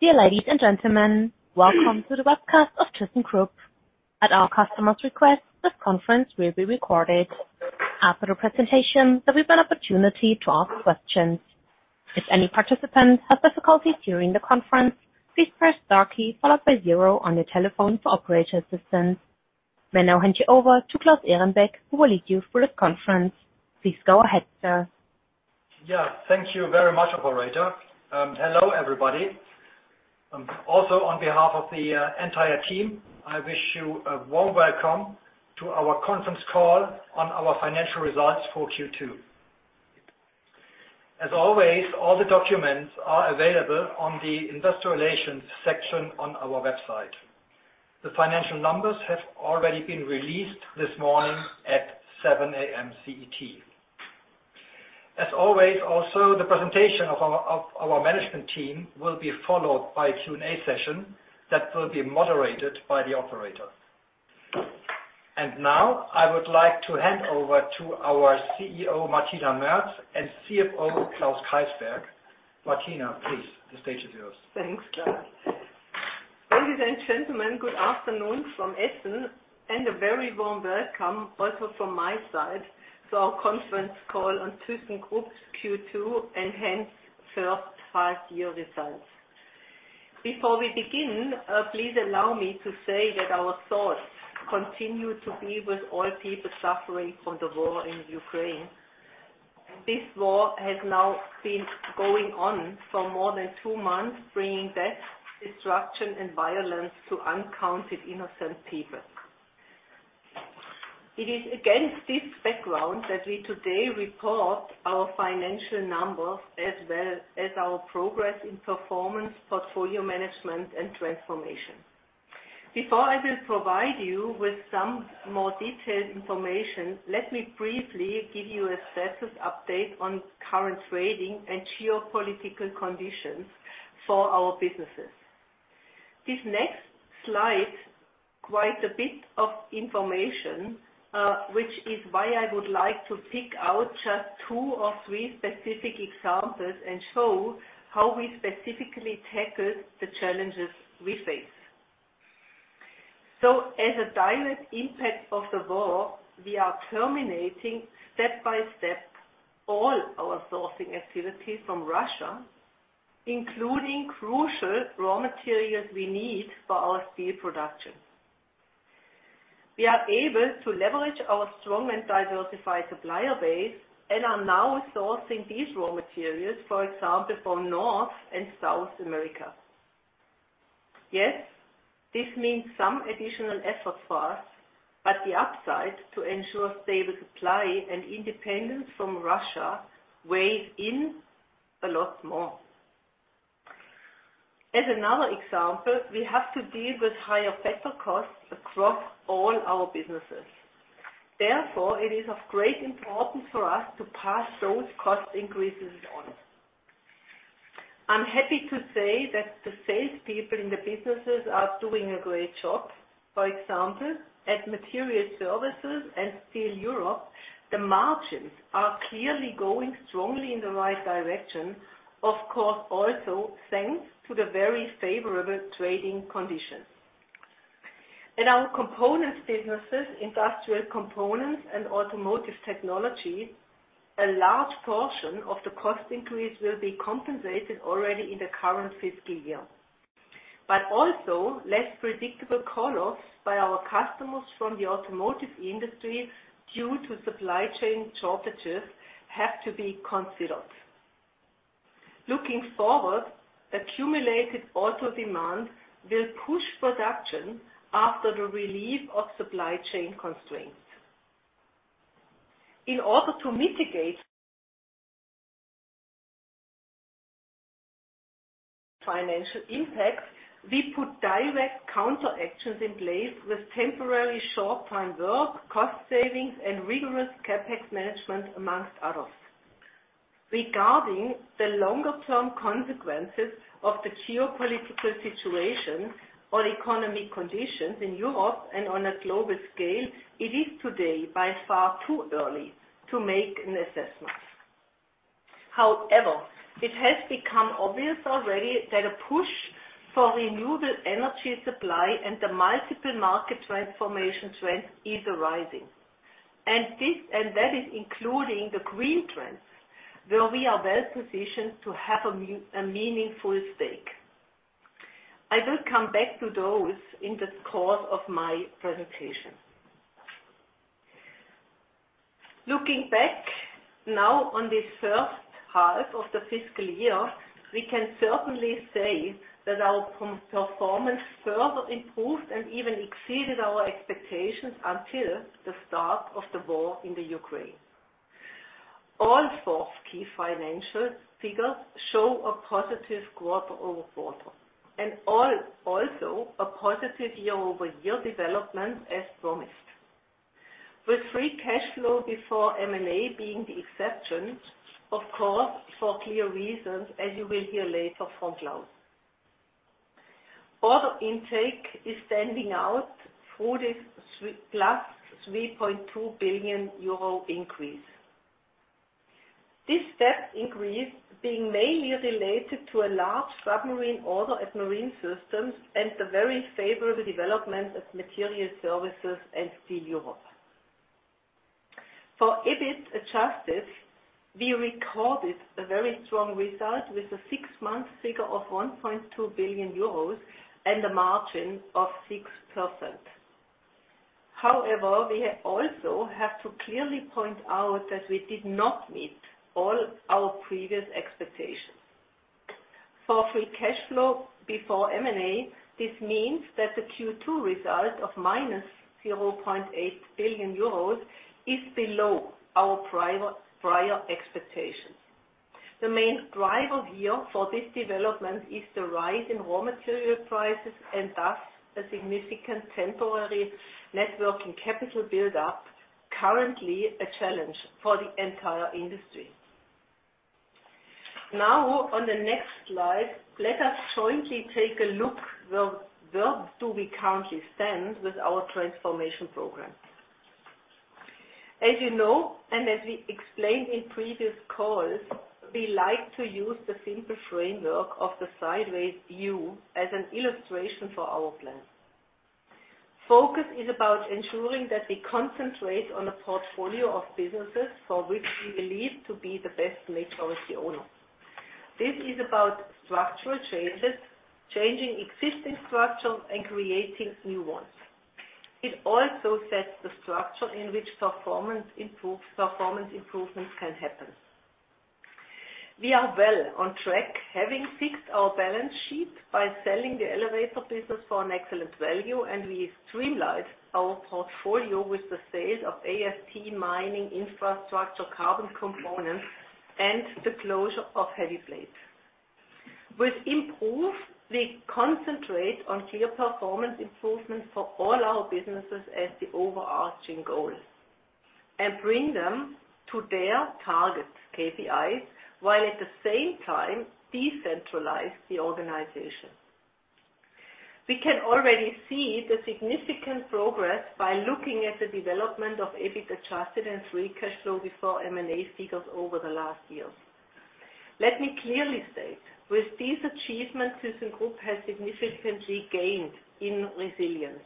Dear ladies and gentlemen, welcome to the webcast of thyssenkrupp. At our customer's request, this conference will be recorded. After the presentation, there will be an opportunity to ask questions. If any participants have difficulty during the conference, please press star key followed by zero on your telephone for operator assistance. I will now hand you over to Claus Ehrenbeck, who will lead you through this conference. Please go ahead, sir. Thank you very much, operator. Hello, everybody. Also, on behalf of the entire team, I wish you a warm welcome to our conference call on our financial results for Q2. As always, all the documents are available on the investor relations section on our website. The financial numbers have already been released this morning at 7 AM CET. As always, also, the presentation of our management team will be followed by a Q&A session that will be moderated by the operator. Now, I would like to hand over to our CEO, Martina Merz, and CFO, Klaus Keysberg. Martina, please, the stage is yours. Thanks, Claus. Ladies and gentlemen, good afternoon from Essen, and a very warm welcome also from my side to our conference call on thyssenkrupp's Q2 and hence first half-year results. Before we begin, please allow me to say that our thoughts continue to be with all people suffering from the war in Ukraine. This war has now been going on for more than two months, bringing death, destruction, and violence to uncounted innocent people. It is against this background that we today report our financial numbers as well as our progress in performance, portfolio management, and transformation. Before I will provide you with some more detailed information, let me briefly give you a status update on current trading and geopolitical conditions for our businesses. This next slide, quite a bit of information, which is why I would like to pick out just two or three specific examples and show how we specifically tackled the challenges we face. As a direct impact of the war, we are terminating step by step all our sourcing activity from Russia, including crucial raw materials we need for our steel production. We are able to leverage our strong and diversified supplier base and are now sourcing these raw materials, for example, from North and South America. Yes, this means some additional effort for us, but the upside to ensure stable supply and independence from Russia weighs in a lot more. As another example, we have to deal with higher petrol costs across all our businesses. Therefore, it is of great importance for us to pass those cost increases on. I'm happy to say that the sales people in the businesses are doing a great job. For example, at Materials Services and Steel Europe, the margins are clearly going strongly in the right direction, of course, also thanks to the very favorable trading conditions. In our components businesses, Industrial Components and Automotive Technology, a large portion of the cost increase will be compensated already in the current fiscal year. Also less predictable call-offs by our customers from the automotive industry due to supply chain shortages have to be considered. Looking forward, accumulated auto demand will push production after the relief of supply chain constraints. In order to mitigate financial impacts, we put direct counter actions in place with temporary short-time work, cost savings, and rigorous CapEx management, among others. Regarding the longer term consequences of the geopolitical situation or economic conditions in Europe and on a global scale, it is today by far too early to make an assessment. However, it has become obvious already that a push for renewable energy supply and the multiple market transformation trend is rising. That is including the green trends, where we are well positioned to have a meaningful stake. I will come back to those in the course of my presentation. Looking back now on this first half of the fiscal year, we can certainly say that our performance further improved and even exceeded our expectations until the start of the war in the Ukraine. All four key financial figures show a positive growth over quarter, and all also a positive year-over-year development as promised, with free cash flow before M&A being the exception, of course, for clear reasons, as you will hear later from Klaus. Order intake is standing out through this +3.2 billion euro increase. This step increase being mainly related to a large submarine order at Marine Systems and the very favorable development of Materials Services and Steel Europe. For EBIT adjusted, we recorded a very strong result with a six-month figure of 1.2 billion euros and a margin of 6%. However, we also have to clearly point out that we did not meet all our previous expectations. For free cash flow before M&A, this means that the Q2 result of minus 0.8 billion euros is below our prior expectations. The main driver here for this development is the rise in raw material prices and, thus, a significant temporary net working capital build-up, currently a challenge for the entire industry. Now on the next slide, let us jointly take a look where do we currently stand with our transformation program. As you know, and as we explained in previous calls, we like to use the simple framework of the sideways view as an illustration for our plans. Focus is about ensuring that we concentrate on a portfolio of businesses for which we believe to be the best majority owner. This is about structural changes, changing existing structures and creating new ones. It also sets the structure in which performance improves. Performance improvements can happen. We are well on track, having fixed our balance sheet by selling the elevator business for an excellent value, and we streamlined our portfolio with the sale of AST Mining infrastructure, Carbon Components, and the closure of Heavy Plate. With improved, we concentrate on clear performance improvements for all our businesses as the overarching goal and bring them to their target KPIs, while at the same time decentralize the organization. We can already see the significant progress by looking at the development of EBIT adjusted and free cash flow before M&A figures over the last years. Let me clearly state, with these achievements, thyssenkrupp has significantly gained in resilience.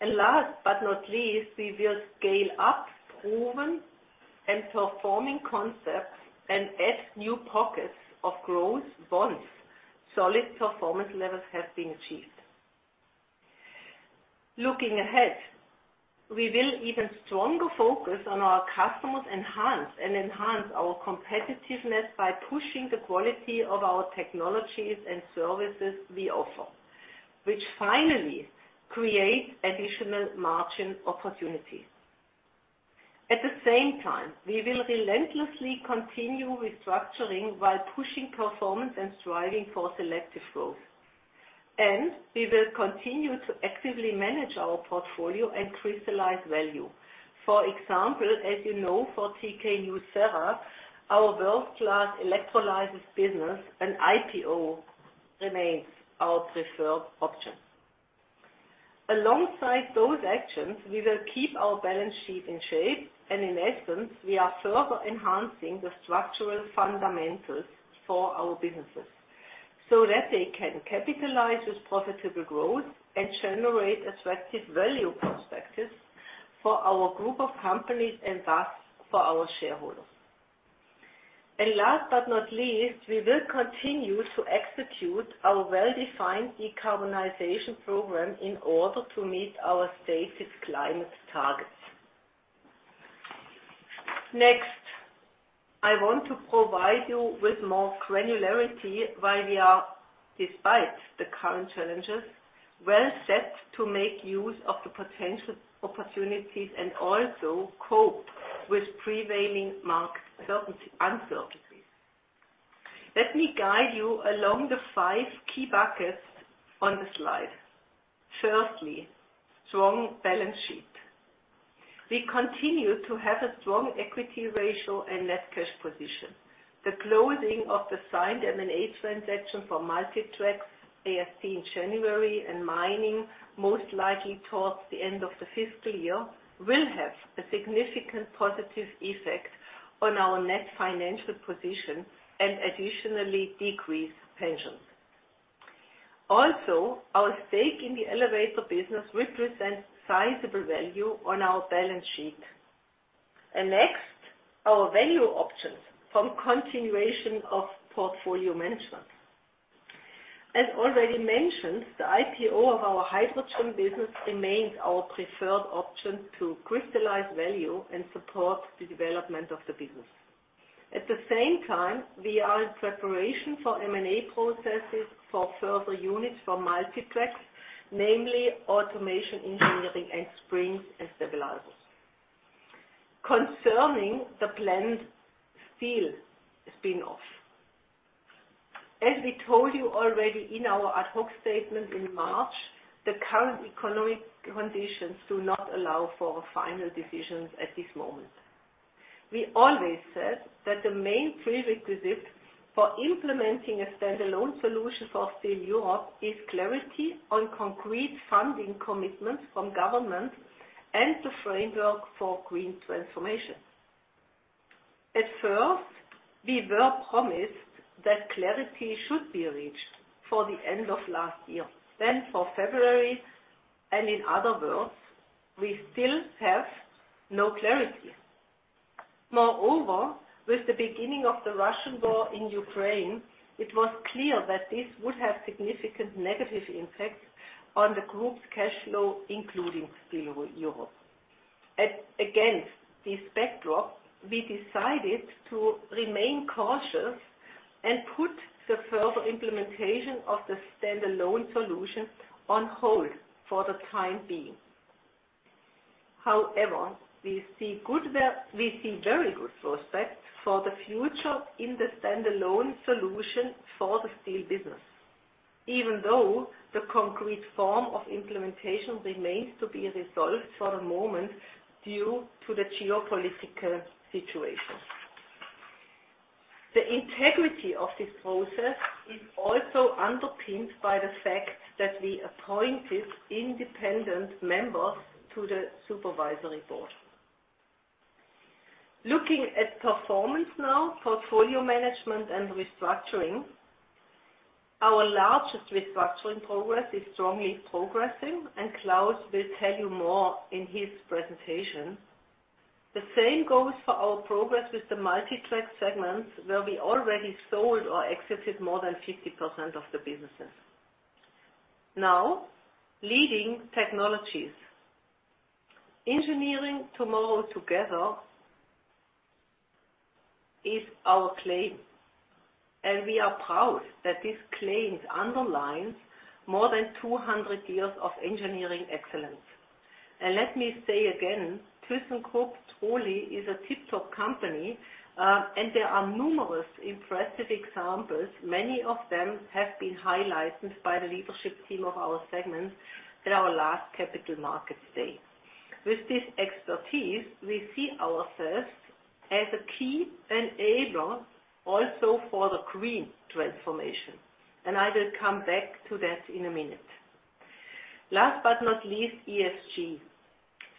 Last but not least, we will scale up proven and performing concepts and add new pockets of growth once solid performance levels have been achieved. Looking ahead, we will even stronger focus on our customers, enhance our competitiveness by pushing the quality of our technologies and services we offer, which finally creates additional margin opportunities. At the same time, we will relentlessly continue restructuring while pushing performance and striving for selective growth. We will continue to actively manage our portfolio and crystallize value. For example, as you know, for TK nucera, our world-class electrolysis business and IPO remains our preferred option. Alongside those actions, we will keep our balance sheet in shape, and in essence, we are further enhancing the structural fundamentals for our businesses so that they can capitalize this profitable growth and generate attractive value perspectives for our group of companies and, thus, for our shareholders. Last but not least, we will continue to execute our well-defined decarbonization program in order to meet our stated climate targets. Next, I want to provide you with more granularity while we are, despite the current challenges, well set to make use of the potential opportunities and also cope with prevailing market uncertainties. Let me guide you along the five key buckets on the slide. Firstly, strong balance sheet. We continue to have a strong equity ratio and net cash position. The closing of the signed M&A transaction for Multi Tracks AST in January and mining, most likely towards the end of the fiscal year, will have a significant positive effect on our net financial position and additionally decrease pensions. Also, our stake in the elevator business represents sizable value on our balance sheet. Next, our value options from continuation of portfolio management. As already mentioned, the IPO of our hydrogen business remains our preferred option to crystallize value and support the development of the business. At the same time, we are in preparation for M&A processes for further units for Multi Tracks, namely Automation Engineering and Springs & Stabilizers. Concerning the planned steel spin-off, as we told you already in our ad hoc statement in March, the current economic conditions do not allow for final decisions at this moment. We always said that the main prerequisite for implementing a standalone solution for Steel Europe is clarity on concrete funding commitments from government and the framework for green transformation. At first, we were promised that clarity should be reached for the end of last year, then for February, and in other words, we still have no clarity. Moreover, with the beginning of the Russian war in Ukraine, it was clear that this would have significant negative impacts on the group's cash flow, including Steel Europe. Against this backdrop, we decided to remain cautious and put the further implementation of the standalone solution on hold for the time being. However, we see very good prospects for the future in the standalone solution for the steel business, even though the concrete form of implementation remains to be resolved for the moment due to the geopolitical situation. The integrity of this process is also underpinned by the fact that we appointed independent members to the supervisory board. Looking at performance now, portfolio management and restructuring. Our largest restructuring progress is strongly progressing, and Klaus will tell you more in his presentation. The same goes for our progress with the Multi Tracks segments, where we already sold or exited more than 50% of the businesses. Now leading technologies. Engineering tomorrow together is our claim, and we are proud that this claim underlines more than 200 years of engineering excellence. Let me say again, thyssenkrupp truly is a tip-top company, and there are numerous impressive examples. Many of them have been highlighted by the leadership team of our segments at our last capital market stage. With this expertise, we see ourselves as a key enabler also for the green transformation, and I will come back to that in a minute. Last but not least, ESG.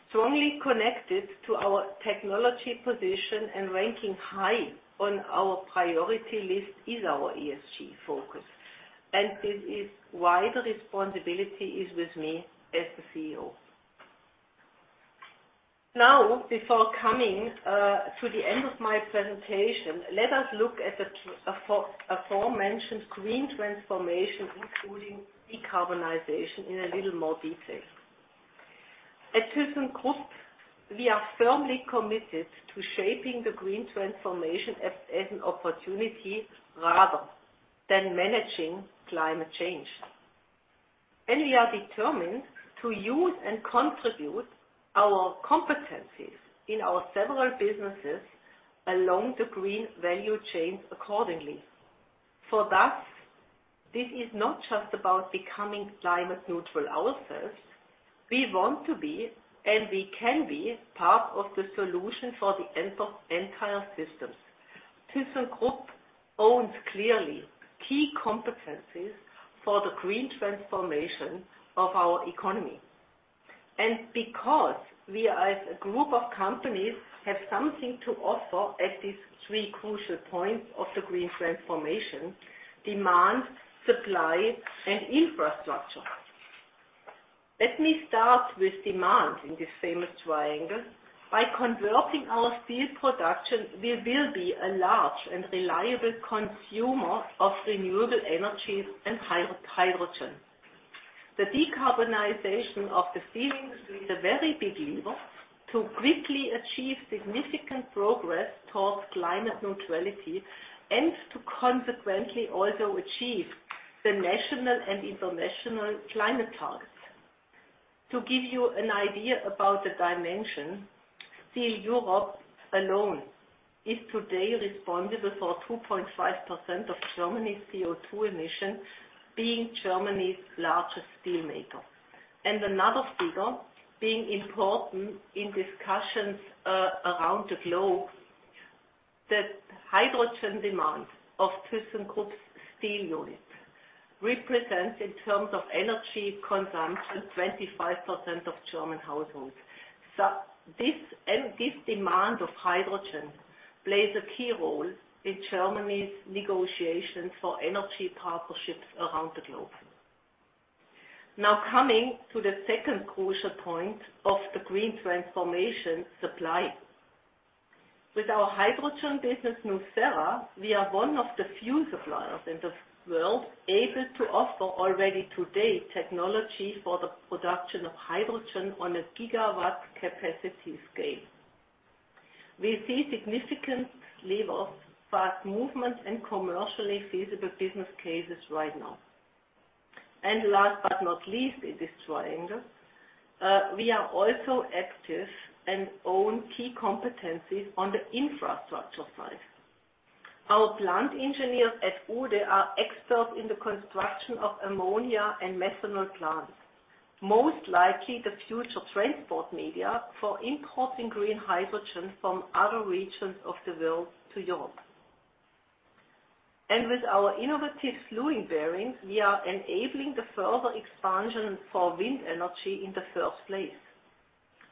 Strongly connected to our technology position and ranking high on our priority list is our ESG focus, and this is why the responsibility is with me as the CEO. Now, before coming to the end of my presentation, let us look at the aforementioned green transformation, including decarbonization in a little more detail. At thyssenkrupp, we are firmly committed to shaping the green transformation as an opportunity rather than managing climate change. We are determined to use and contribute our competencies in our several businesses along the green value chain accordingly. Thus, this is not just about becoming climate neutral ourselves. We want to be, and we can be part of the solution for the entire systems. thyssenkrupp has clear key competencies for the green transformation of our economy, and because we as a group of companies have something to offer at these three crucial points of the green transformation, demand, supply, and infrastructure. Let me start with demand in this famous triangle. By converting our steel production, we will be a large and reliable consumer of renewable energies and hydrogen. The decarbonization of the steel industry is a very big lever to quickly achieve significant progress towards climate neutrality and to consequently also achieve the national and international climate targets. To give you an idea about the dimension, Steel Europe alone is today responsible for 2.5% of Germany's CO₂ emissions, being Germany's largest steel maker. Another figure being important in discussions around the globe, the hydrogen demand of thyssenkrupp's steel unit represents, in terms of energy consumption, 25% of German households. This demand of hydrogen plays a key role in Germany's negotiations for energy partnerships around the globe. Now coming to the second crucial point of the green transformation supply. With our hydrogen business, nucera, we are one of the few suppliers in the world able to offer already today technology for the production of hydrogen on a gigawatt capacity scale. We see significant levels of fast movement and commercially feasible business cases right now. Last but not least in this triangle, we are also active and own key competencies on the infrastructure side. Our plant engineers at Uhde are experts in the construction of ammonia and methanol plants. Most likely the future transport media for importing green hydrogen from other regions of the world to Europe. With our innovative slewing bearings, we are enabling the further expansion for wind energy in the first place.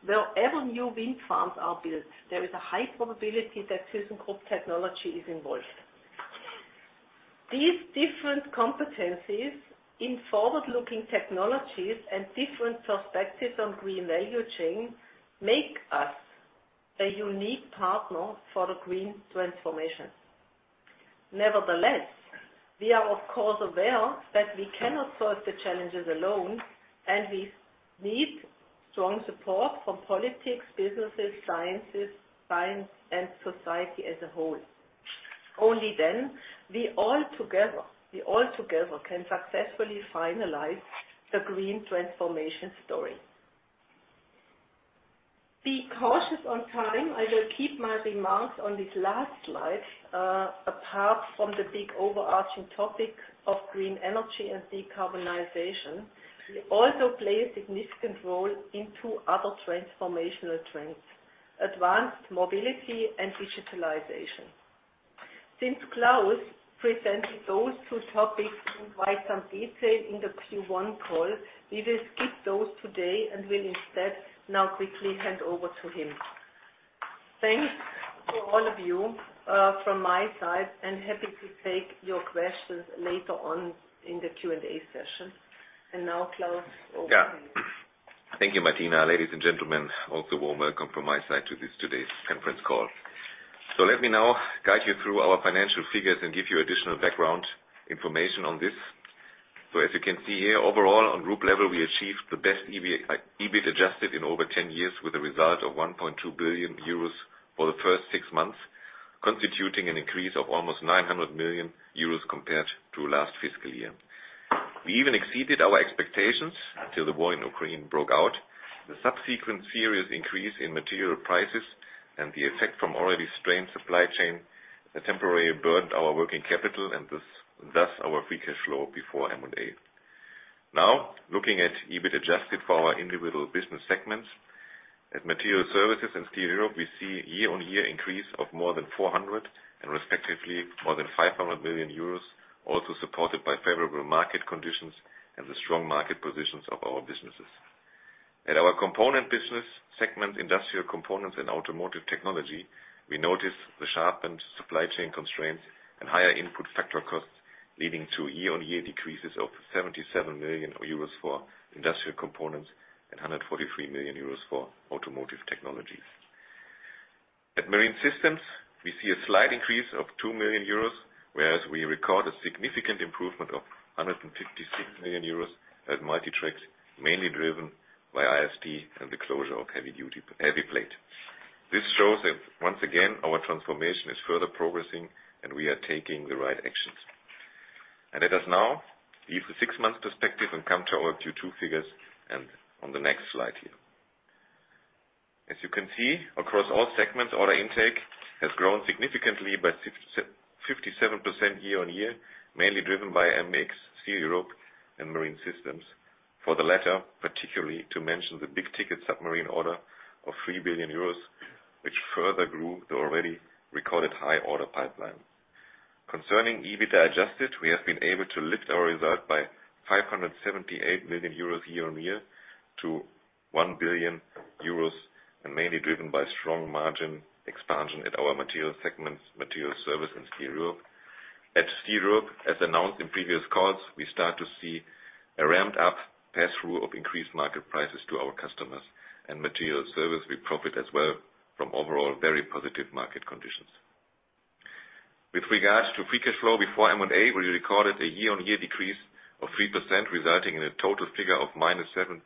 Wherever new wind farms are built, there is a high probability that thyssenkrupp technology is involved. These different competencies in forward-looking technologies and different perspectives on green value chain make us a unique partner for the green transformation. Nevertheless, we are, of course, aware that we cannot solve the challenges alone and we need strong support from politics, businesses, sciences, and society as a whole. Only then, we all together can successfully finalize the green transformation story. Be cautious on time, I will keep my remarks on this last slide. Apart from the big overarching topic of green energy and decarbonization, we also play a significant role in two other transformational trends: advanced mobility and digitalization. Since Klaus presented those two topics in quite some detail in the Q1 call, we will skip those today and will instead now quickly hand over to him. Thanks to all of you, from my side, and happy to take your questions later on in the Q&A session. Now, Klaus, over to you. Yeah. Thank you, Martina. Ladies and gentlemen, also warm welcome from my side to today's conference call. Let me now guide you through our financial figures and give you additional background information on this. As you can see here, overall, on group level, we achieved the best EBIT adjusted in over 10 years with a result of 1.2 billion euros for the first six months, constituting an increase of almost 900 million euros compared to last fiscal year. We even exceeded our expectations until the war in Ukraine broke out. The subsequent serious increase in material prices and the effect from already strained supply chain temporarily burned our working capital and thus our free cash flow before M&A. Now, looking at EBIT adjusted for our individual business segments. At Materials Services and Steel Europe, we see year-on-year increase of more than 400 million and respectively more than 500 million euros, also supported by favorable market conditions and the strong market positions of our businesses. At our component business segment, Industrial Components and Automotive Technology, we notice the sharpened supply chain constraints and higher input factor costs, leading to year-on-year decreases of 77 million euros for Industrial Components and 143 million euros for Automotive Technology. At Marine Systems, we see a slight increase of 2 million euros, whereas we record a significant improvement of 156 million euros at Multi Tracks, mainly driven by ISD and the closure of Heavy Plate. This shows that once again, our transformation is further progressing, and we are taking the right actions. Let us now leave the six-month perspective and come to our Q2 figures and on the next slide here. As you can see, across all segments, order intake has grown significantly by 57% year-on-year, mainly driven by MX, Steel Europe, and Marine Systems. For the latter, particularly to mention the big-ticket submarine order of 3 billion euros, which further grew the already recorded high order pipeline. Concerning EBITDA adjusted, we have been able to lift our result by 578 million euros year-on-year to 1 billion euros, and mainly driven by strong margin expansion at our material segments, Materials Services and Steel Europe. At Steel Europe, as announced in previous calls, we start to see a ramped-up pass-through of increased market prices to our customers. Materials Services, we profit as well from overall very positive market conditions. With regards to free cash flow before M&A, we recorded a year-on-year decrease of 3%, resulting in a total figure of -772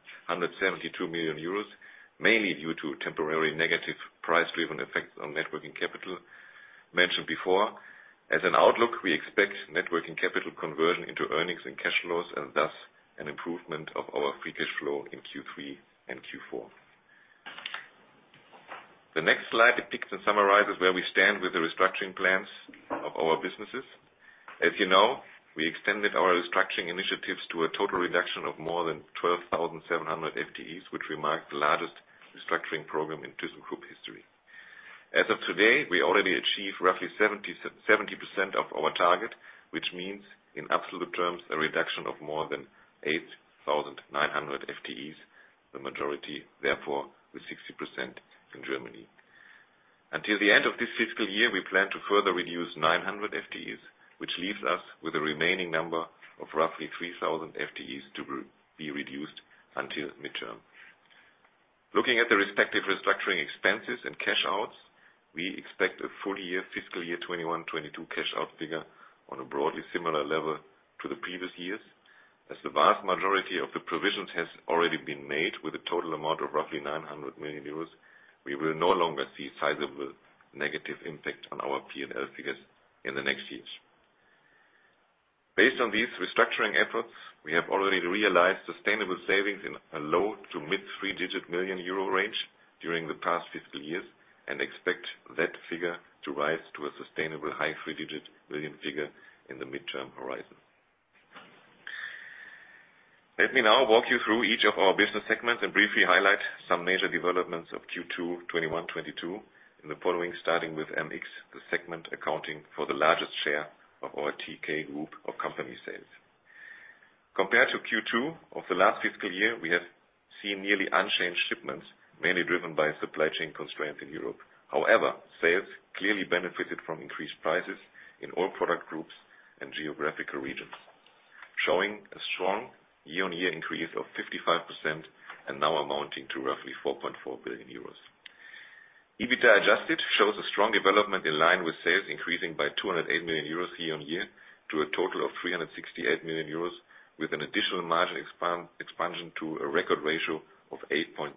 million euros, mainly due to temporary negative price-driven effects on net working capital mentioned before. As an outlook, we expect net working capital conversion into earnings and cash flows, and thus an improvement of our free cash flow in Q3 and Q4. The next slide depicts and summarizes where we stand with the restructuring plans of our businesses. As you know, we extended our restructuring initiatives to a total reduction of more than 12,700 FTEs, which marks the largest restructuring program in thyssenkrupp history. As of today, we already achieved roughly 70% of our target, which means, in absolute terms, a reduction of more than 8,900 FTEs, the majority therefore with 60% in Germany. Until the end of this fiscal year, we plan to further reduce 900 FTEs, which leaves us with a remaining number of roughly 3,000 FTEs to be reduced until mid-term. Looking at the respective restructuring expenses and cash outs, we expect a full-year fiscal year 2021/2022 cash out figure on a broadly similar level to the previous years. As the vast majority of the provisions has already been made with a total amount of roughly 900 million euros, we will no longer see sizable negative impact on our P&L figures in the next years. Based on these restructuring efforts, we have already realized sustainable savings in a low- to mid-three-digit million EUR range during the past fiscal years, and expect that figure to rise to a sustainable high three-digit million EUR figure in the mid-term horizon. Let me now walk you through each of our business segments and briefly highlight some major developments of Q2 2021/2022 in the following, starting with MX, the segment accounting for the largest share of our TK group of company sales. Compared to Q2 of the last fiscal year, we have seen nearly unchanged shipments, mainly driven by supply chain constraints in Europe. However, sales clearly benefited from increased prices in all product groups and geographical regions, showing a strong year-on-year increase of 55% and now amounting to roughly 4.4 billion euros. EBITDA adjusted shows a strong development in line with sales, increasing by 208 million euros year-on-year to a total of 368 million euros, with an additional margin expansion to a record ratio of 8.3%.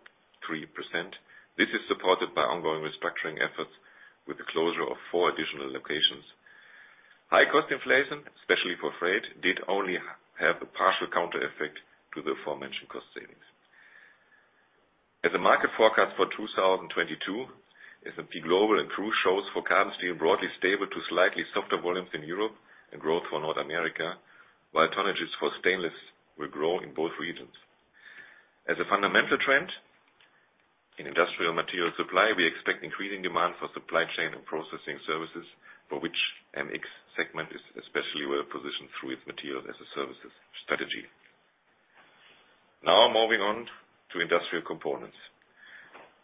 This is supported by ongoing restructuring efforts with the closure of four additional locations. High cost inflation, especially for freight, did only have a partial counter effect to the aforementioned cost savings. As a market forecast for 2022, S&P Global and CRU shows for carbon steel broadly stable to slightly softer volumes in Europe and growth for North America, while tonnages for stainless will grow in both regions. As a fundamental trend in industrial material supply, we expect increasing demand for supply chain and processing services, for which MX segment is especially well-positioned through its Materials as a Service strategy. Now, moving on to Industrial Components.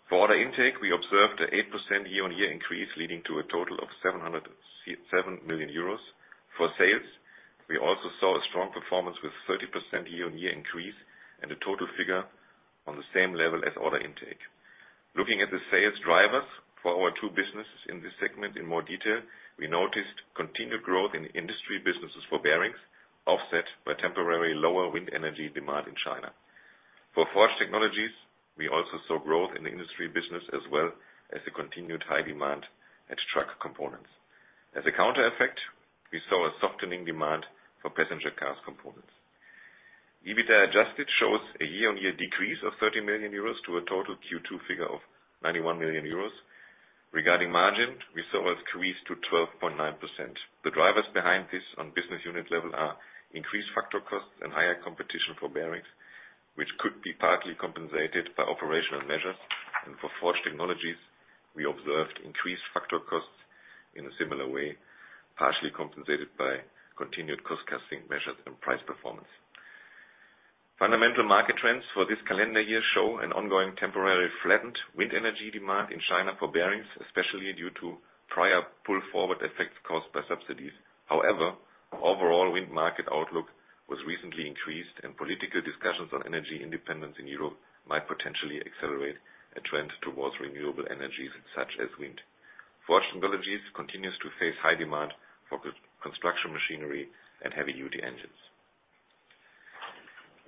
For order intake, we observed an 8% year-on-year increase, leading to a total of 707 million euros. For sales, we also saw a strong performance with 30% year-on-year increase and a total figure on the same level as order intake. Looking at the sales drivers for our two businesses in this segment in more detail, we noticed continued growth in industry businesses for bearings, offset by temporary lower wind energy demand in China. For Forged Technologies, we also saw growth in the industry business as well as the continued high demand at truck components. As a counter effect, we saw a softening demand for passenger cars components. EBITDA adjusted shows a year-on-year decrease of 30 million euros to a total Q2 figure of 91 million euros. Regarding margin, we saw it increase to 12.9%. The drivers behind this on business unit level are increased factor costs and higher competition for bearings, which could be partly compensated by operational measures. For Forged Technologies, we observed increased factor costs in a similar way, partially compensated by continued cost-cutting measures and price performance. Fundamental market trends for this calendar year show an ongoing temporary flattened wind energy demand in China for bearings, especially due to prior pull-forward effects caused by subsidies. However, overall wind market outlook was recently increased and political discussions on energy independence in Europe might potentially accelerate a trend towards renewable energies such as wind. Forged Technologies continues to face high demand for construction machinery and heavy-duty engines.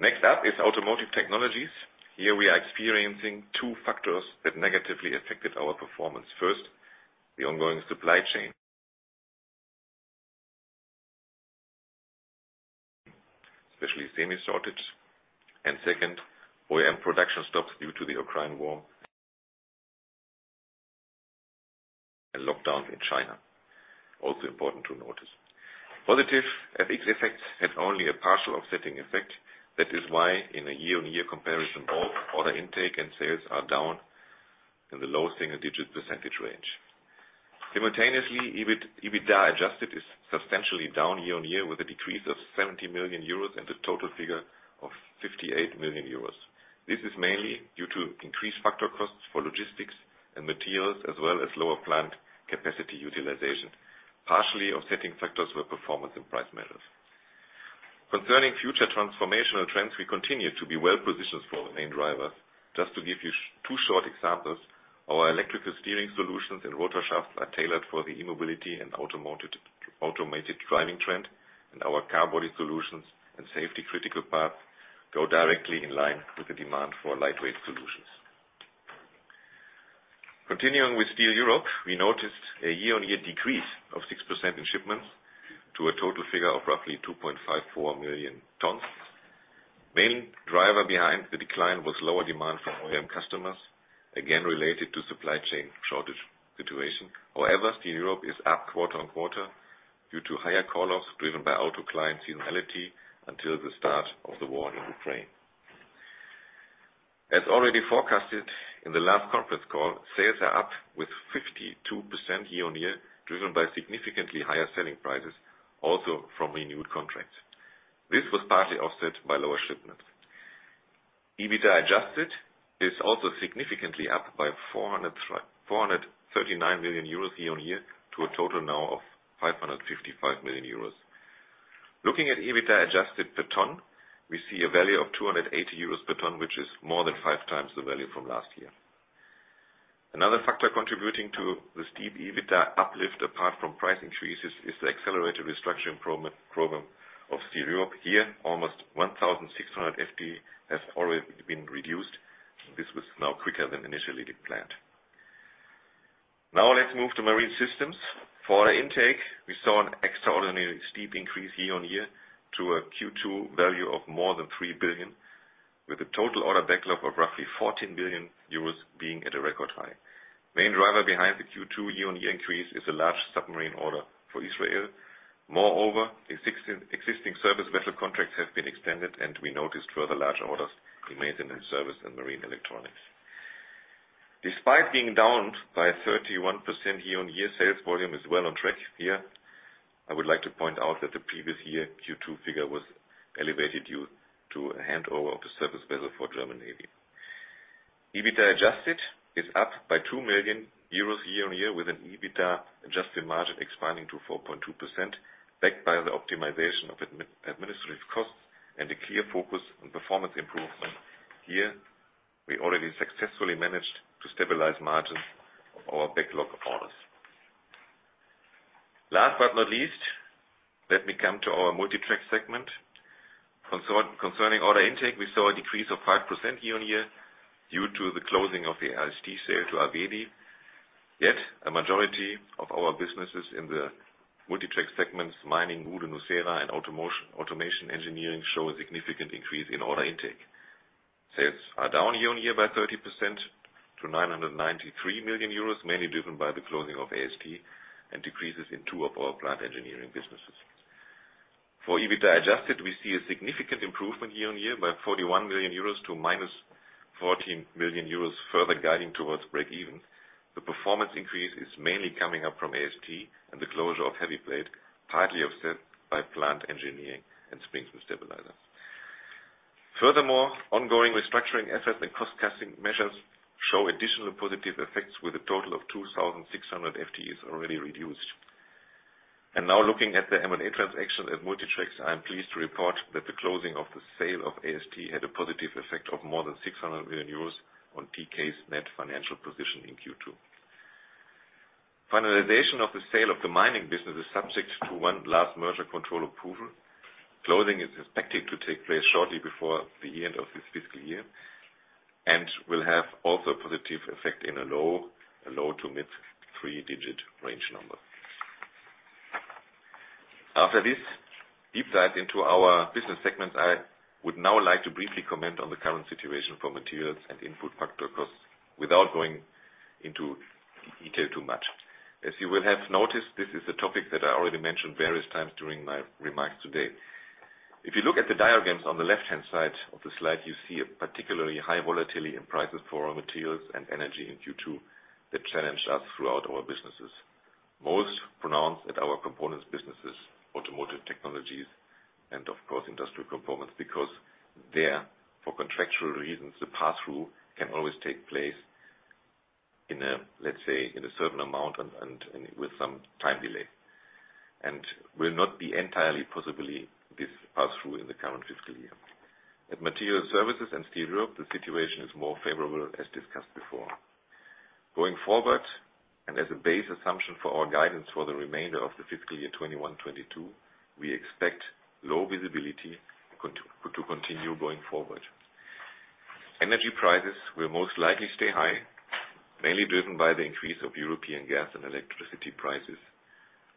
Next up is Automotive Technology. Here we are experiencing two factors that negatively affected our performance. First, the ongoing supply chain, especially semiconductor shortage. Second, OEM production stops due to the Ukraine war and lockdown in China, also important to notice. Positive FX effects had only a partial offsetting effect. That is why in a year-on-year comparison, both order intake and sales are down in the low single-digit percentage range. Simultaneously, EBIT, EBITDA adjusted is substantially down year-on-year with a decrease of 70 million euros and a total figure of 58 million euros. This is mainly due to increased factor costs for logistics and materials, as well as lower plant capacity utilization. Partially offsetting factors were performance and price measures. Concerning future transformational trends, we continue to be well-positioned for the main driver. Just to give you two short examples, our electrical steering solutions and rotor shafts are tailored for the e-mobility and automated driving trend, and our car body solutions and safety critical parts go directly in line with the demand for lightweight solutions. Continuing with Steel Europe, we noticed a year-on-year decrease of 6% in shipments to a total figure of roughly 2.54 million tons. Main driver behind the decline was lower demand from OEM customers, again related to supply chain shortage situation. However, Steel Europe is up quarter-on-quarter due to higher costs driven by auto client seasonality until the start of the war in Ukraine. As already forecasted in the last conference call, sales are up 52% year-on-year, driven by significantly higher selling prices, also from renewed contracts. This was partly offset by lower shipments. EBITDA adjusted is also significantly up by 439 million euros year-on-year to a total now of 555 million euros. Looking at EBITDA adjusted per ton, we see a value of 280 euros per ton, which is more than 5x the value from last year. Another factor contributing to the steep EBITDA uplift, apart from price increases, is the accelerated restructuring program of Steel Europe. Here, almost 1,600 FTEs have already been reduced. This was now quicker than initially planned. Now let's move to Marine Systems. For our intake, we saw an extraordinary steep increase year-on-year to a Q2 value of more than 3 billion, with a total order backlog of roughly 14 billion euros being at a record high. Main driver behind the Q2 year-on-year increase is a large submarine order for Israel. Moreover, existing service vessel contracts have been extended, and we noticed further large orders in maintenance, service, and marine electronics. Despite being down by 31% year-on-year, sales volume is well on track here. I would like to point out that the previous year Q2 figure was elevated due to a handover of the surface vessel for German Navy. EBITDA adjusted is up by 2 million euros year-on-year, with an EBITDA adjusted margin expanding to 4.2%, backed by the optimization of administrative costs and a clear focus on performance improvement. Here, we already successfully managed to stabilize margins of our backlog orders. Last but not least, let me come to our Multi Tracks segment. Concerning order intake, we saw a decrease of 5% year-on-year due to the closing of the AST sale to Arvedi. Yet a majority of our businesses in the Multi Tracks segments, mining, Uhde, nucera, and automation engineering show a significant increase in order intake. Sales are down year-on-year by 30% to 993 million euros, mainly driven by the closing of AST and decreases in two of our plant engineering businesses. For EBITDA adjusted, we see a significant improvement year-on-year by 41 million euros to -14 million euros, further guiding towards breakeven. The performance increase is mainly coming from AST and the closure of Heavy Plate, partly offset by plant engineering and Springs & Stabilizers. Furthermore, ongoing restructuring efforts and cost-cutting measures show additional positive effects with a total of 2,600 FTEs already reduced. Now looking at the M&A transaction at Multi Tracks, I am pleased to report that the closing of the sale of AST had a positive effect of more than 600 million euros on TK's net financial position in Q2. Finalization of the sale of the mining business is subject to one last merger control approval. Closing is expected to take place shortly before the end of this fiscal year, and will have also a positive effect in a low- to mid-three-digit EUR number. After this deep dive into our business segments, I would now like to briefly comment on the current situation for materials and input factor costs without going into detail too much. As you will have noticed, this is a topic that I already mentioned various times during my remarks today. If you look at the diagrams on the left-hand side of the slide, you see a particularly high volatility in prices for our materials and energy in Q2 that challenged us throughout our businesses. Most pronounced at our components businesses, Automotive Technology, and of course, Industrial Components. Because there, for contractual reasons, the pass-through can always take place in a, let's say, in a certain amount and with some time delay, and will not be entirely possible this pass-through in the current fiscal year. At Material Services and Steel Europe, the situation is more favorable, as discussed before. Going forward, as a base assumption for our guidance for the remainder of the fiscal year 2021/2022, we expect low visibility to continue going forward. Energy prices will most likely stay high, mainly driven by the increase of European gas and electricity prices.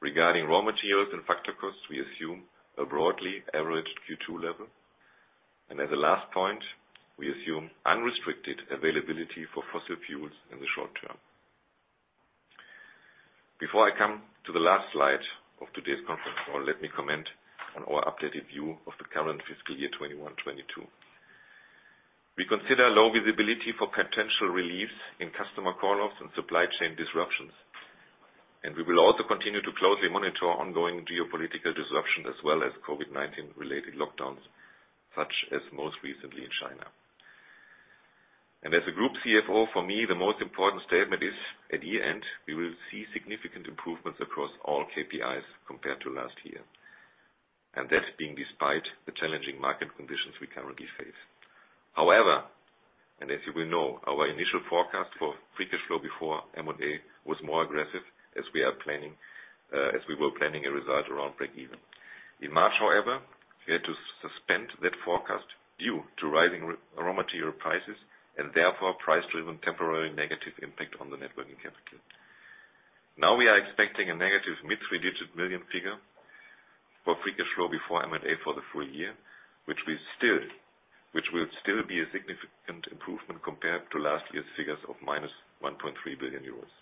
Regarding raw materials and factor costs, we assume a broadly averaged Q2 level. As a last point, we assume unrestricted availability for fossil fuels in the short term. Before I come to the last slide of today's conference call, let me comment on our updated view of the current fiscal year 2021/2022. We consider low visibility for potential reliefs in customer call-offs and supply chain disruptions. We will also continue to closely monitor ongoing geopolitical disruptions as well as COVID-19 related lockdowns, such as most recently in China. As a group CFO, for me, the most important statement is at the end, we will see significant improvements across all KPIs compared to last year. That being despite the challenging market conditions we currently face. However, as you will know, our initial forecast for free cash flow before M&A was more aggressive as we were planning a result around breakeven. In March, however, we had to suspend that forecast due to rising raw material prices and therefore price-driven temporary negative impact on the net working capital. Now we are expecting a negative mid-three-digit million EUR figure for free cash flow before M&A for the full year, which will still be a significant improvement compared to last year's figures of -1.3 billion euros.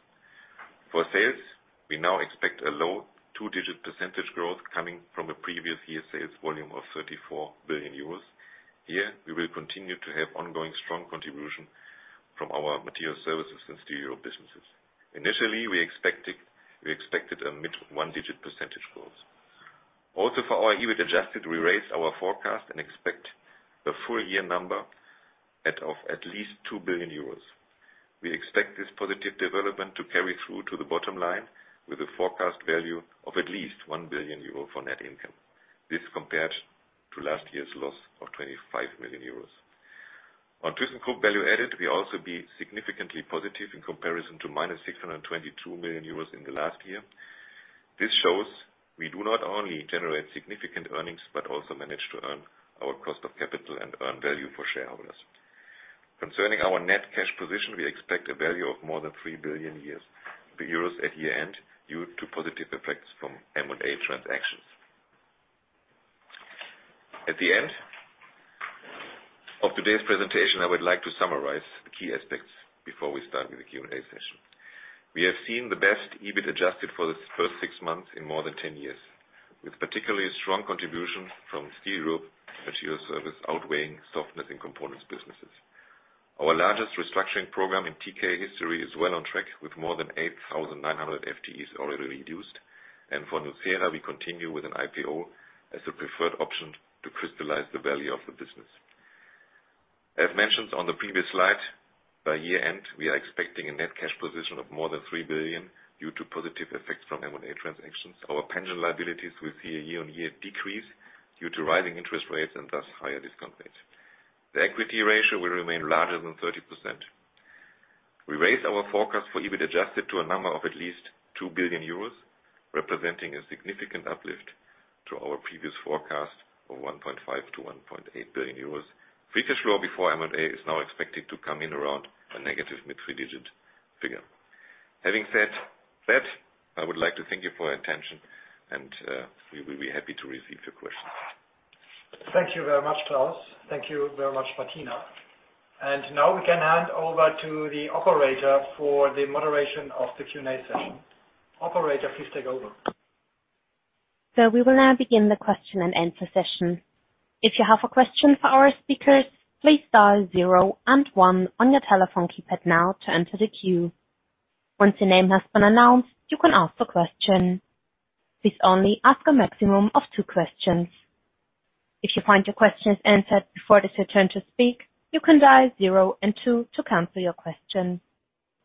For sales, we now expect a low two-digit percentage growth coming from a previous year sales volume of 34 billion euros. Here, we will continue to have ongoing strong contribution from our Material Services and Steel Europe businesses. Initially, we expected a mid one-digit percentage growth. Also, for our EBIT adjusted, we raised our forecast and expect the full year number of at least 2 billion euros. We expect this positive development to carry through to the bottom line with a forecast value of at least 1 billion euro for net income. This compared to last year's loss of 25 million euros. On thyssenkrupp Value Added, we also be significantly positive in comparison to -622 million euros in the last year. This shows we do not only generate significant earnings, but also manage to earn our cost of capital and earn value for shareholders. Concerning our net cash position, we expect a value of more than 3 billion euros at year-end due to positive effects from M&A transactions. At the end of today's presentation, I would like to summarize the key aspects before we start with the Q&A session. We have seen the best EBIT adjusted for the first six months in more than 10 years, with particularly strong contribution from Steel Europe Materials Service outweighing softness in components businesses. Our largest restructuring program in TK history is well on track, with more than 8,900 FTEs already reduced. For nucera, we continue with an IPO as the preferred option to crystallize the value of the business. As mentioned on the previous slide, by year-end, we are expecting a net cash position of more than 3 billion due to positive effects from M&A transactions. Our pension liabilities will see a year-on-year decrease due to rising interest rates and thus higher discount rates. The equity ratio will remain larger than 30%. We raise our forecast for EBIT adjusted to a number of at least 2 billion euros, representing a significant uplift to our previous forecast of 1.5 billion-1.8 billion euros. Free cash flow before M&A is now expected to come in around a negative mid-three digit figure. Having said that, I would like to thank you for your attention and we will be happy to receive your questions. Thank you very much, Klaus. Thank you very much, Martina. Now we can hand over to the operator for the moderation of the Q&A session. Operator, please take over. We will now begin the question-and-answer session. If you have a question for our speakers, please dial zero and one on your telephone keypad now to enter the queue. Once your name has been announced, you can ask a question. Please only ask a maximum of two questions. If you find your question is answered before it is your turn to speak, you can dial zero and two to cancel your question.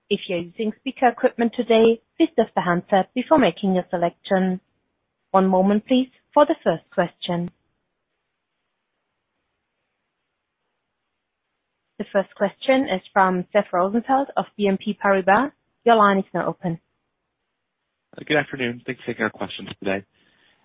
If you're using speaker equipment today, please deafen the handset before making a selection. One moment, please, for the first question. The first question is from Seth Rosenfeld of Exane BNP Paribas. Your line is now open. Good afternoon. Thanks for taking our questions today.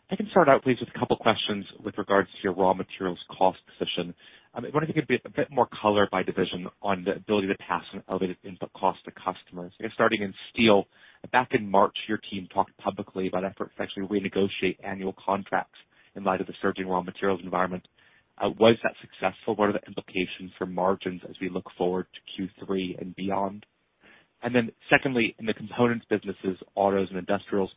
I can start out, please, with a couple of questions with regards to your raw materials cost position. I was wondering if you could give a bit more color by division on the ability to pass on elevated input cost to customers. Starting in steel, back in March, your team talked publicly about efforts to actually renegotiate annual contracts in light of the surging raw materials environment. Was that successful? What are the implications for margins as we look forward to Q3 and beyond? And then secondly, in the components businesses, autos and industrials,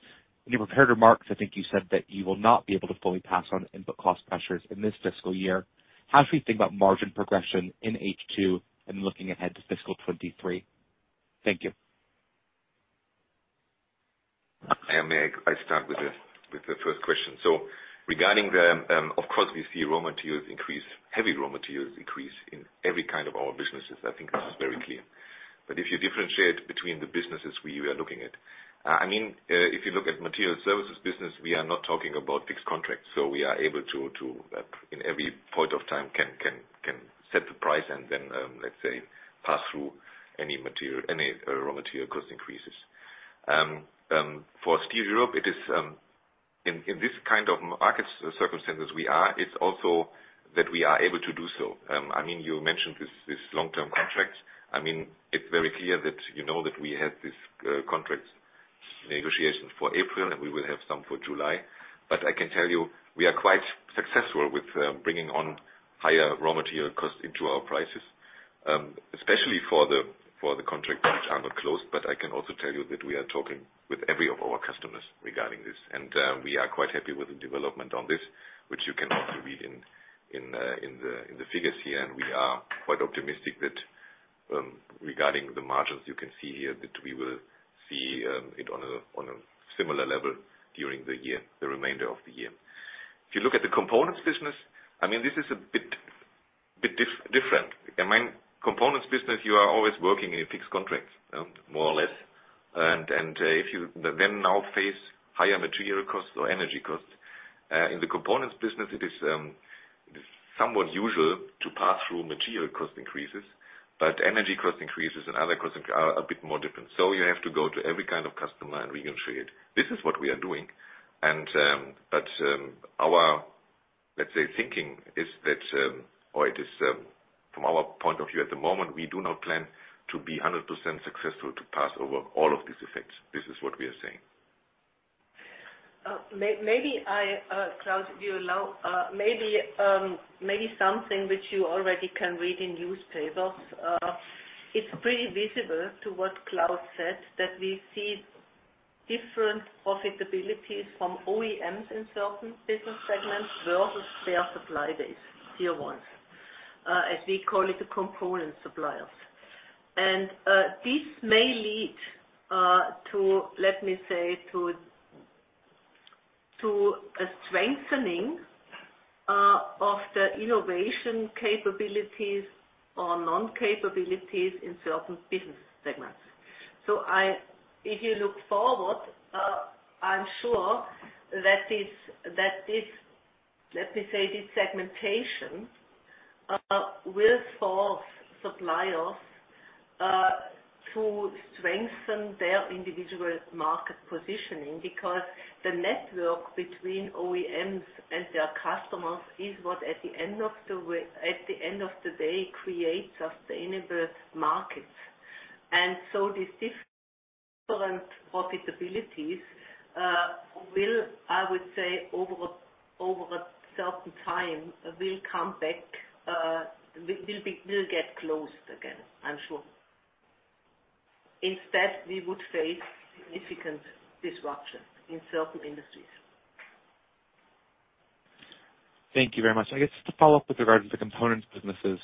in your prepared remarks, I think you said that you will not be able to fully pass on input cost pressures in this fiscal year. How should we think about margin progression in H2 and looking ahead to fiscal 2023? Thank you. May I start with the first question? Regarding of course, we see raw materials increase, heavy raw materials increase in every kind of our businesses. I think this is very clear. If you differentiate between the businesses we are looking at. I mean, if you look at material services business, we are not talking about fixed contracts, so we are able to in every point of time can set the price and then, let's say, pass through any material, any raw material cost increases. For Steel Europe, it is in this kind of market circumstances we are, it's also that we are able to do so. I mean, you mentioned this long-term contracts. I mean, it's very clear that you know that we have this contract negotiations for April, and we will have some for July. I can tell you, we are quite successful with bringing on higher raw material costs into our prices, especially for the contracts which are not closed. I can also tell you that we are talking with every one of our customers regarding this, and we are quite happy with the development on this, which you can also read in the figures here. We are quite optimistic that regarding the margins you can see here, that we will see it on a similar level during the year, the remainder of the year. If you look at the components business, I mean, this is a bit different. I mean, components business, you are always working in a fixed contract, more or less. If you then now face higher material costs or energy costs, in the components business, it is somewhat usual to pass through material cost increases, but energy cost increases and other costs are a bit more different. You have to go to every kind of customer and renegotiate. This is what we are doing. Our, let's say, thinking is that, from our point of view at the moment, we do not plan to be 100% successful to pass over all of these effects. This is what we are saying. Maybe I, Klaus, if you allow, maybe something which you already can read in newspapers. It's pretty visible, too, what Klaus said that we see different profitabilities from OEMs in certain business segments versus their supply base, tier ones, as we call it, the component suppliers. This may lead, let me say, to a strengthening of the innovation capabilities or non-capabilities in certain business segments. If you look forward, I'm sure that this, let me say, this segmentation will force suppliers to strengthen their individual market positioning, because the network between OEMs and their customers is what, at the end of the day, creates sustainable markets. These different profitabilities, I would say, over a certain time, will come back, will get closed again, I'm sure. Instead, we would face significant disruption in certain industries. Thank you very much. I guess just to follow up with regard to the components businesses,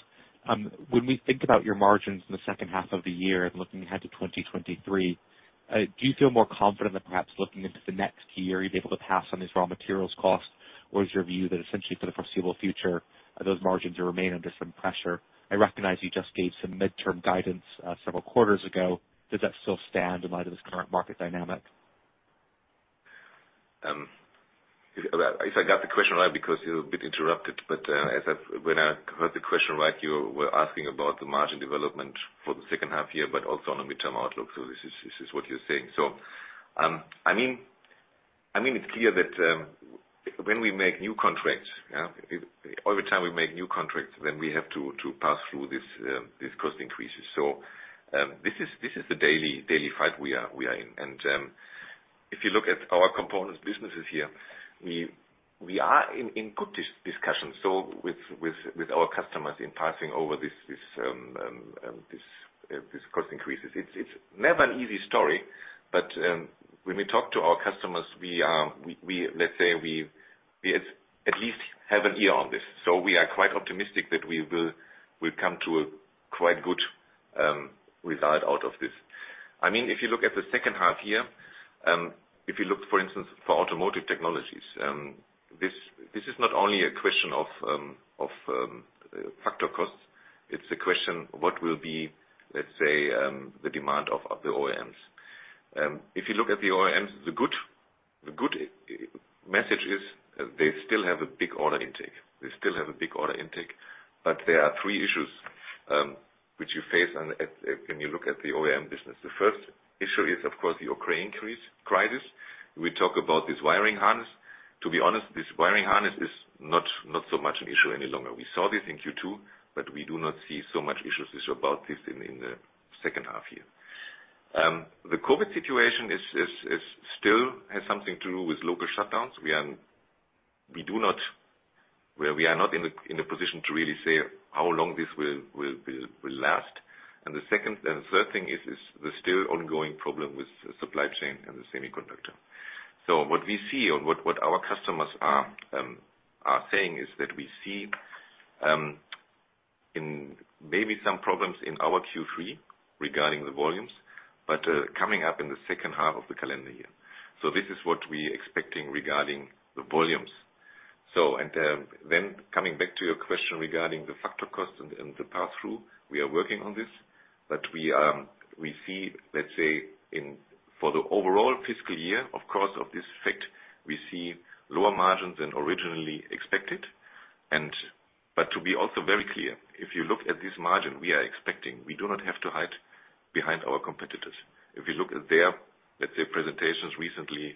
when we think about your margins in the second half of the year and looking ahead to 2023, do you feel more confident that perhaps looking into the next key year, you'll be able to pass on these raw materials costs? Or is your view that essentially for the foreseeable future, those margins will remain under some pressure? I recognize you just gave some midterm guidance, several quarters ago. Does that still stand in light of this current market dynamic? If I got the question right, because it was a bit interrupted, but when I heard the question right, you were asking about the margin development for the second half year, but also on a midterm outlook. This is what you're saying. I mean, it's clear that when we make new contracts, yeah, every time we make new contracts, then we have to pass through this cost increases. This is the daily fight we are in. If you look at our components businesses here, we are in good discussions with our customers in passing over this cost increases. It's never an easy story. When we talk to our customers, we at least have an ear on this. We are quite optimistic that we'll come to a quite good result out of this. I mean, if you look at the second half here, for instance, for Automotive Technology, this is not only a question of factor costs, it's a question what will be, let's say, the demand of the OEMs. If you look at the OEMs, the good message is they still have a big order intake. They still have a big order intake, but there are three issues which you face when you look at the OEM business. The first issue is, of course, the Ukraine crisis. We talk about this wiring harness. To be honest, this wiring harness is not so much an issue any longer. We saw this in Q2, but we do not see so much issues about this in the second half year. The COVID situation still has something to do with local shutdowns. Well, we are not in a position to really say how long this will last. The second and third thing is the still ongoing problem with supply chain and the semiconductor. What we see or what our customers are saying is that we see maybe some problems in our Q3 regarding the volumes, but coming up in the second half of the calendar year. This is what we expect regarding the volumes. Coming back to your question regarding the factor costs and the pass-through, we are working on this, but we see, let's say, for the overall fiscal year, of course, of this effect, we see lower margins than originally expected. To be also very clear, if you look at this margin we are expecting, we do not have to hide behind our competitors. If you look at their, let's say, presentations recently,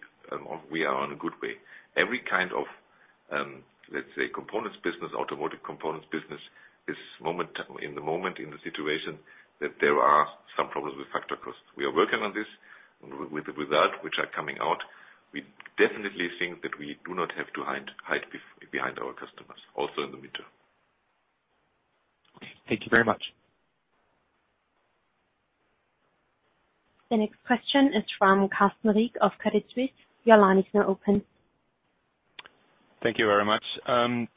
we are on a good way. Every kind of, let's say, components business, automotive components business is in the moment in the situation that there are some problems with factor costs. We are working on this. With the result which are coming out, we definitely think that we do not have to hide behind our customers, also in the midterm. Thank you very much. The next question is from Carsten Riek of Credit Suisse. Your line is now open. Thank you very much.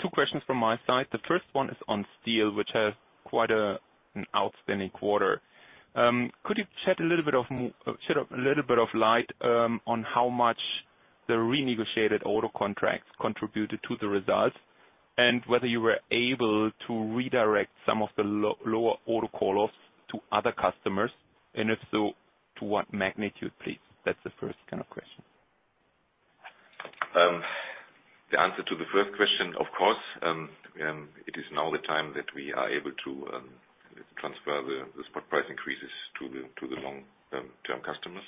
Two questions from my side. The first one is on steel, which has quite an outstanding quarter. Could you shed a little bit of light on how much the renegotiated auto contracts contributed to the results? And whether you were able to redirect some of the lower auto call-offs to other customers, and if so, to what magnitude, please? That's the first kind of question. The answer to the first question, of course, it is now the time that we are able to transfer the spot price increases to the long-term customers.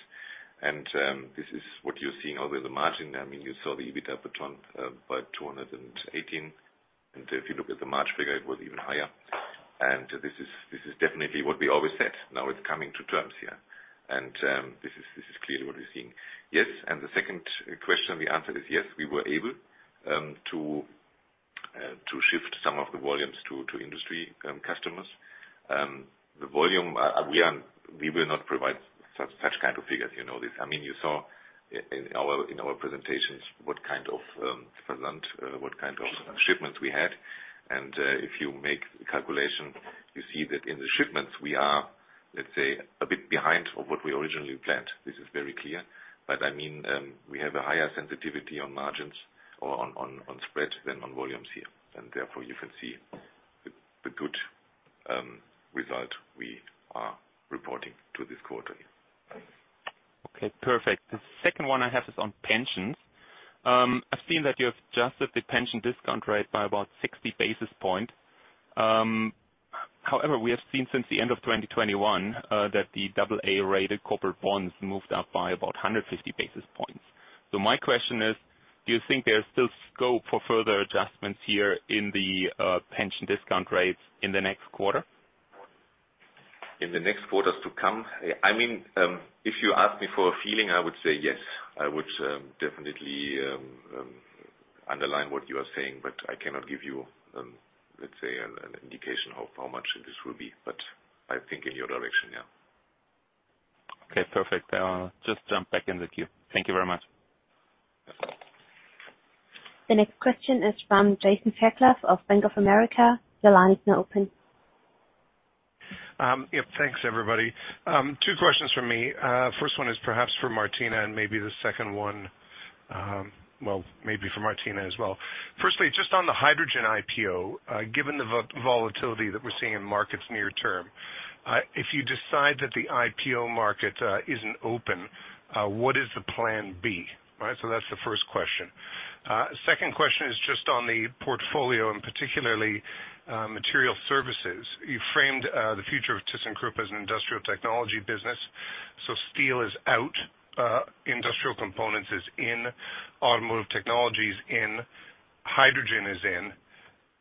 This is what you're seeing over the margin. I mean, you saw the EBIT per ton by 218. If you look at the March figure, it was even higher. This is definitely what we always said. Now it's coming to terms here. This is clearly what we're seeing. Yes, the second question we answer is yes, we were able to shift some of the volumes to industry customers. The volume we will not provide such kind of figures, you know this. I mean, you saw in our presentations what kind of shipments we had. If you make the calculation, you see that in the shipments, we are, let's say, a bit behind of what we originally planned. This is very clear. We have a higher sensitivity on margins or on spread than on volumes here. Therefore, you can see the good result we are reporting for this quarter. Okay, perfect. The second one I have is on pensions. I've seen that you have adjusted the pension discount rate by about 60 basis points. However, we have seen since the end of 2021 that the AA rated corporate bonds moved up by about 150 basis points. My question is, do you think there's still scope for further adjustments here in the pension discount rates in the next quarter? In the next quarters to come? I mean, if you ask me for a feeling, I would say yes. I would definitely underline what you are saying, but I cannot give you, let's say an indication of how much this will be. I think in your direction, yeah. Okay, perfect. I'll just jump back in the queue. Thank you very much. The next question is from Jason Fairclough of Bank of America. Your line is now open. Yep, thanks, everybody. Two questions from me. First one is perhaps for Martina, and maybe the second one, well, maybe for Martina as well. Firstly, just on the hydrogen IPO, given the volatility that we're seeing in markets near term, if you decide that the IPO market isn't open, what is the plan B? Right? So that's the first question. Second question is just on the portfolio and particularly, material services. You framed the future of thyssenkrupp as an industrial technology business. So steel is out, industrial components is in, automotive technology is in, hydrogen is in.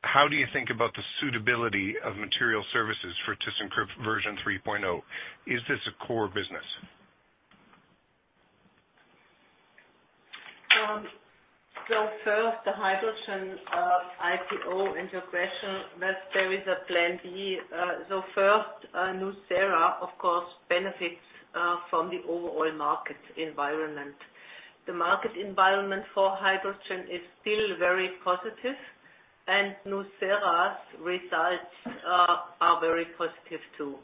How do you think about the suitability of material services for thyssenkrupp version 3.0? Is this a core business? First, the hydrogen IPO and your question that there is a plan B. Nucera of course benefits from the overall market environment. The market environment for hydrogen is still very positive, and nucera's results are very positive, too.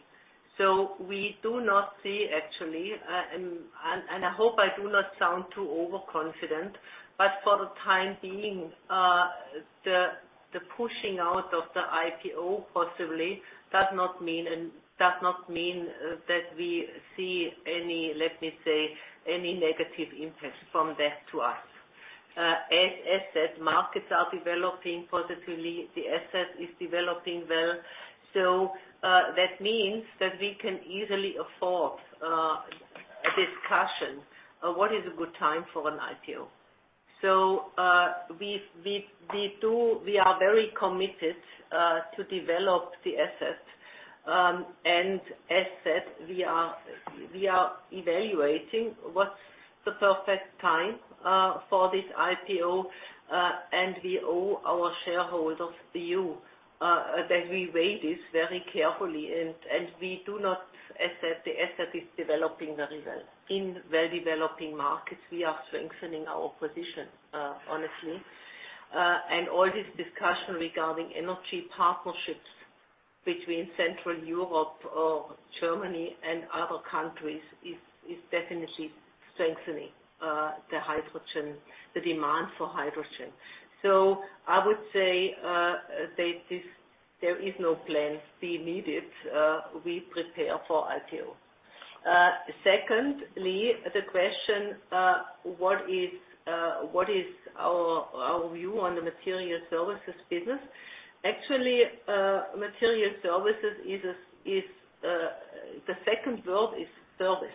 We do not see actually, I hope I do not sound too overconfident, but for the time being, the pushing out of the IPO possibly does not mean that we see any, let me say, any negative impact from that to us. As the markets are developing positively, the asset is developing well. That means that we can easily afford a discussion of what is a good time for an IPO. We are very committed to develop the asset. As said, we are evaluating what's the perfect time for this IPO, and we owe our shareholders, you, that we weigh this very carefully. We do assess the asset is developing very well. In well-developing markets, we are strengthening our position, honestly. All this discussion regarding energy partnerships between Central Europe or Germany and other countries is definitely strengthening the demand for hydrogen. I would say that there is no plan B needed. We prepare for IPO. Secondly, the question, what is our view on the Materials Services business. Actually, Materials Services is the second word is service.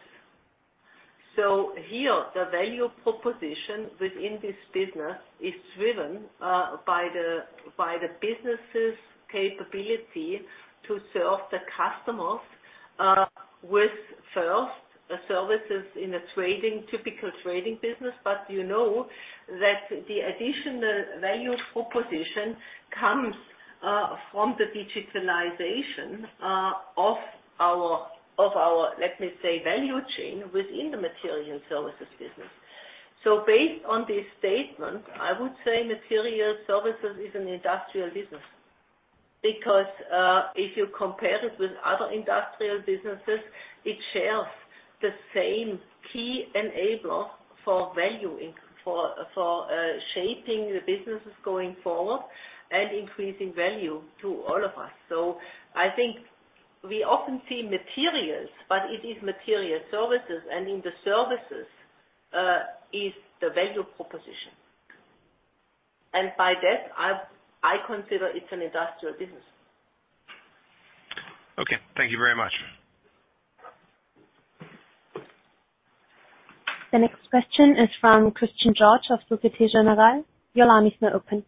Here, the value proposition within this business is driven by the business's capability to serve the customers with first the services in a trading, typical trading business. You know that the additional value proposition comes from the digitalization of our, let me say, value chain within the Materials Services business. Based on this statement, I would say Materials Services is an industrial business. Because if you compare it with other industrial businesses, it shares the same key enabler for shaping the businesses going forward and increasing value to all of us. I think we often see materials, but it is Materials Services, and in the services is the value proposition. By that, I consider it an industrial business. Okay. Thank you very much. The next question is from Christian George of Société Générale. Your line is now open.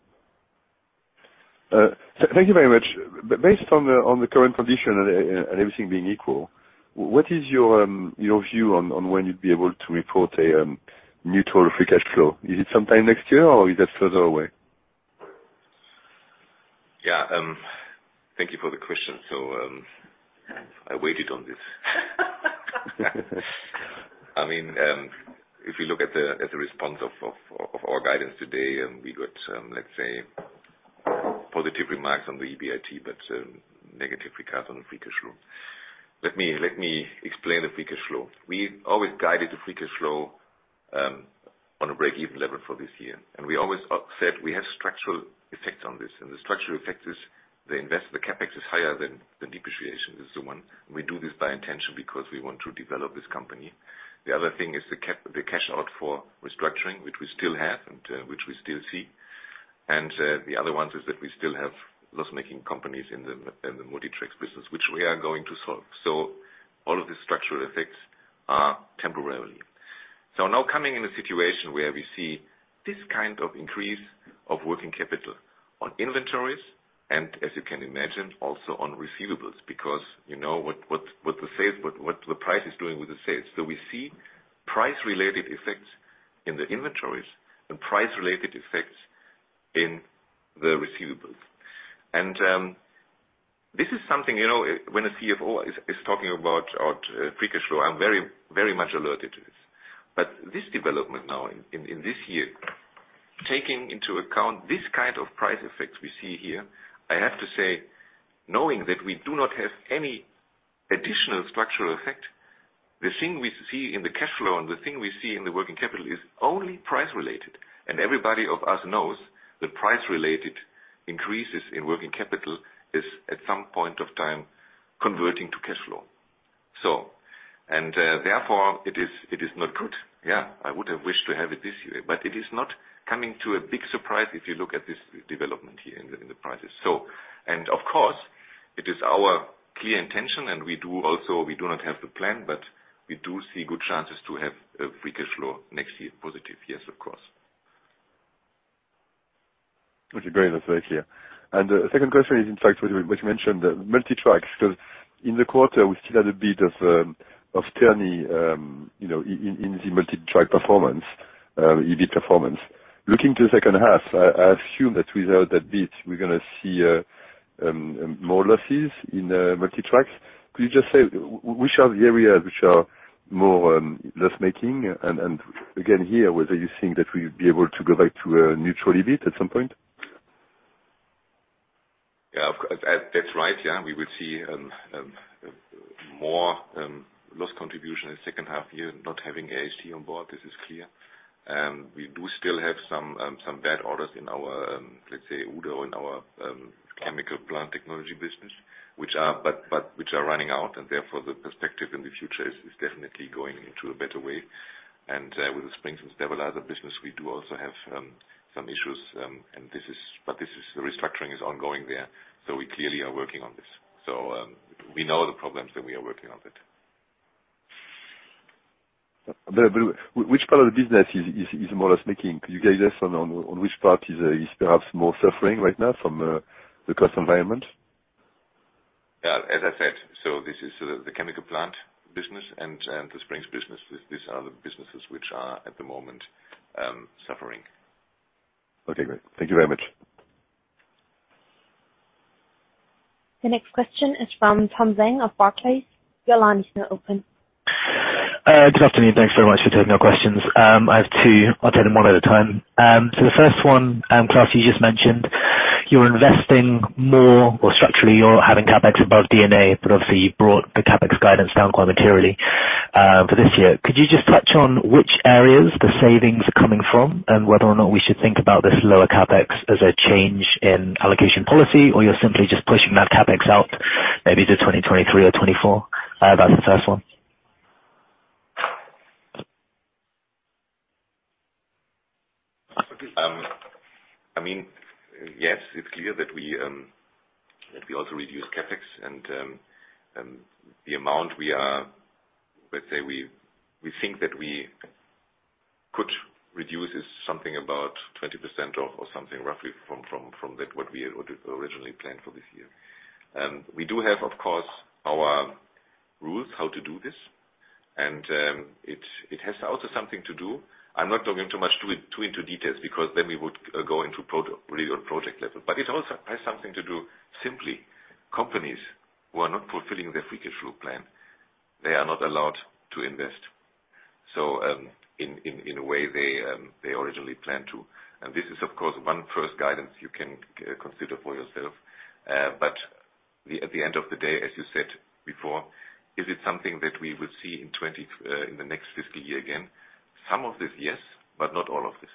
Thank you very much. Based on the current condition and everything being equal, what is your view on when you'd be able to report a neutral free cash flow? Is it sometime next year, or is that further away? Thank you for the question. I waited on this. I mean, if you look at the response to our guidance today, and we got, let's say positive remarks on the EBIT, but negative remarks on the free cash flow. Let me explain the free cash flow. We always guided the free cash flow on a break-even level for this year. We always said we have structural effects on this, and the structural effect is the CapEx is higher than depreciation is the one. We do this by intention because we want to develop this company. The other thing is the cash out for restructuring, which we still have and which we still see. The other ones is that we still have loss-making companies in the Multi Tracks business, which we are going to solve. All of these structural effects are temporarily. Now coming in a situation where we see this kind of increase of working capital on inventories, and as you can imagine, also on receivables, because you know what the sales, the price is doing with the sales. We see price-related effects in the inventories and price-related effects in the receivables. This is something, you know, when a CFO is talking about free cash flow, I'm very much alerted to this. This development now in this year, taking into account this kind of price effects we see here. I have to say, knowing that we do not have any additional structural effect, the thing we see in the cash flow and the thing we see in the working capital is only price-related. Everybody of us knows that price-related increases in working capital is, at some point of time, converting to cash flow. Therefore it is not good. Yeah. I would have wished to have it this year, but it is not coming as a big surprise if you look at this development here in the prices. Of course, it is our clear intention, and we do not have the plan, but we do see good chances to have a free cash flow next year. Positive, yes, of course. Okay, great. That's very clear. The second question is, in fact, what you mentioned, the Multi Tracks. 'Cause in the quarter we still had a bit of turmoil, you know, in the Multi Tracks performance, EBIT performance. Looking to the second half, I assume that without that bit we're gonna see more losses in Multi Tracks. Could you just say which are the areas which are more loss-making? And again, here, whether you think that we'll be able to go back to a neutral EBIT at some point. That's right. We will see more loss contribution in second half year not having AHT on board. This is clear. We do still have some bad orders in our, let's say, Uhde, in our chemical plant technology business, which are running out and therefore the perspective in the future is definitely going into a better way. With the Springs & Stabilizers business, we do also have some issues. But this is the restructuring is ongoing there. We clearly are working on this. We know the problems and we are working on it. Which part of the business is more or less making? Could you guide us on which part is perhaps more suffering right now from the cost environment? Yeah. As I said, this is the chemical plant business and the springs business. These are the businesses which are at the moment suffering. Okay, great. Thank you very much. The next question is from Tom Zhang of Barclays. Your line is now open. Good afternoon. Thanks very much for taking our questions. I have two. I'll take them one at a time. The first one, Klaus, you just mentioned you're investing more or structurally you're having CapEx above D&A, but obviously you've brought the CapEx guidance down quite materially, for this year. Could you just touch on which areas the savings are coming from and whether or not we should think about this lower CapEx as a change in allocation policy, or you're simply just pushing that CapEx out maybe to 2023 or 2024? That's the first one. I mean, yes, it's clear that we also reduce CapEx and the amount we are, let's say we think that we could reduce is something about 20% of or something roughly from that what we originally planned for this year. We do have, of course, our rules how to do this, and it has also something to do. I'm not talking too much to it, too into details because then we would go into really on project level. It also has something to do, simply, companies who are not fulfilling their free cash flow plan, they are not allowed to invest, so in a way they originally planned to. This is of course one first guidance you can consider for yourself. At the end of the day, as you said before, is it something that we will see in 20 in the next fiscal year again? Some of this, yes, but not all of this.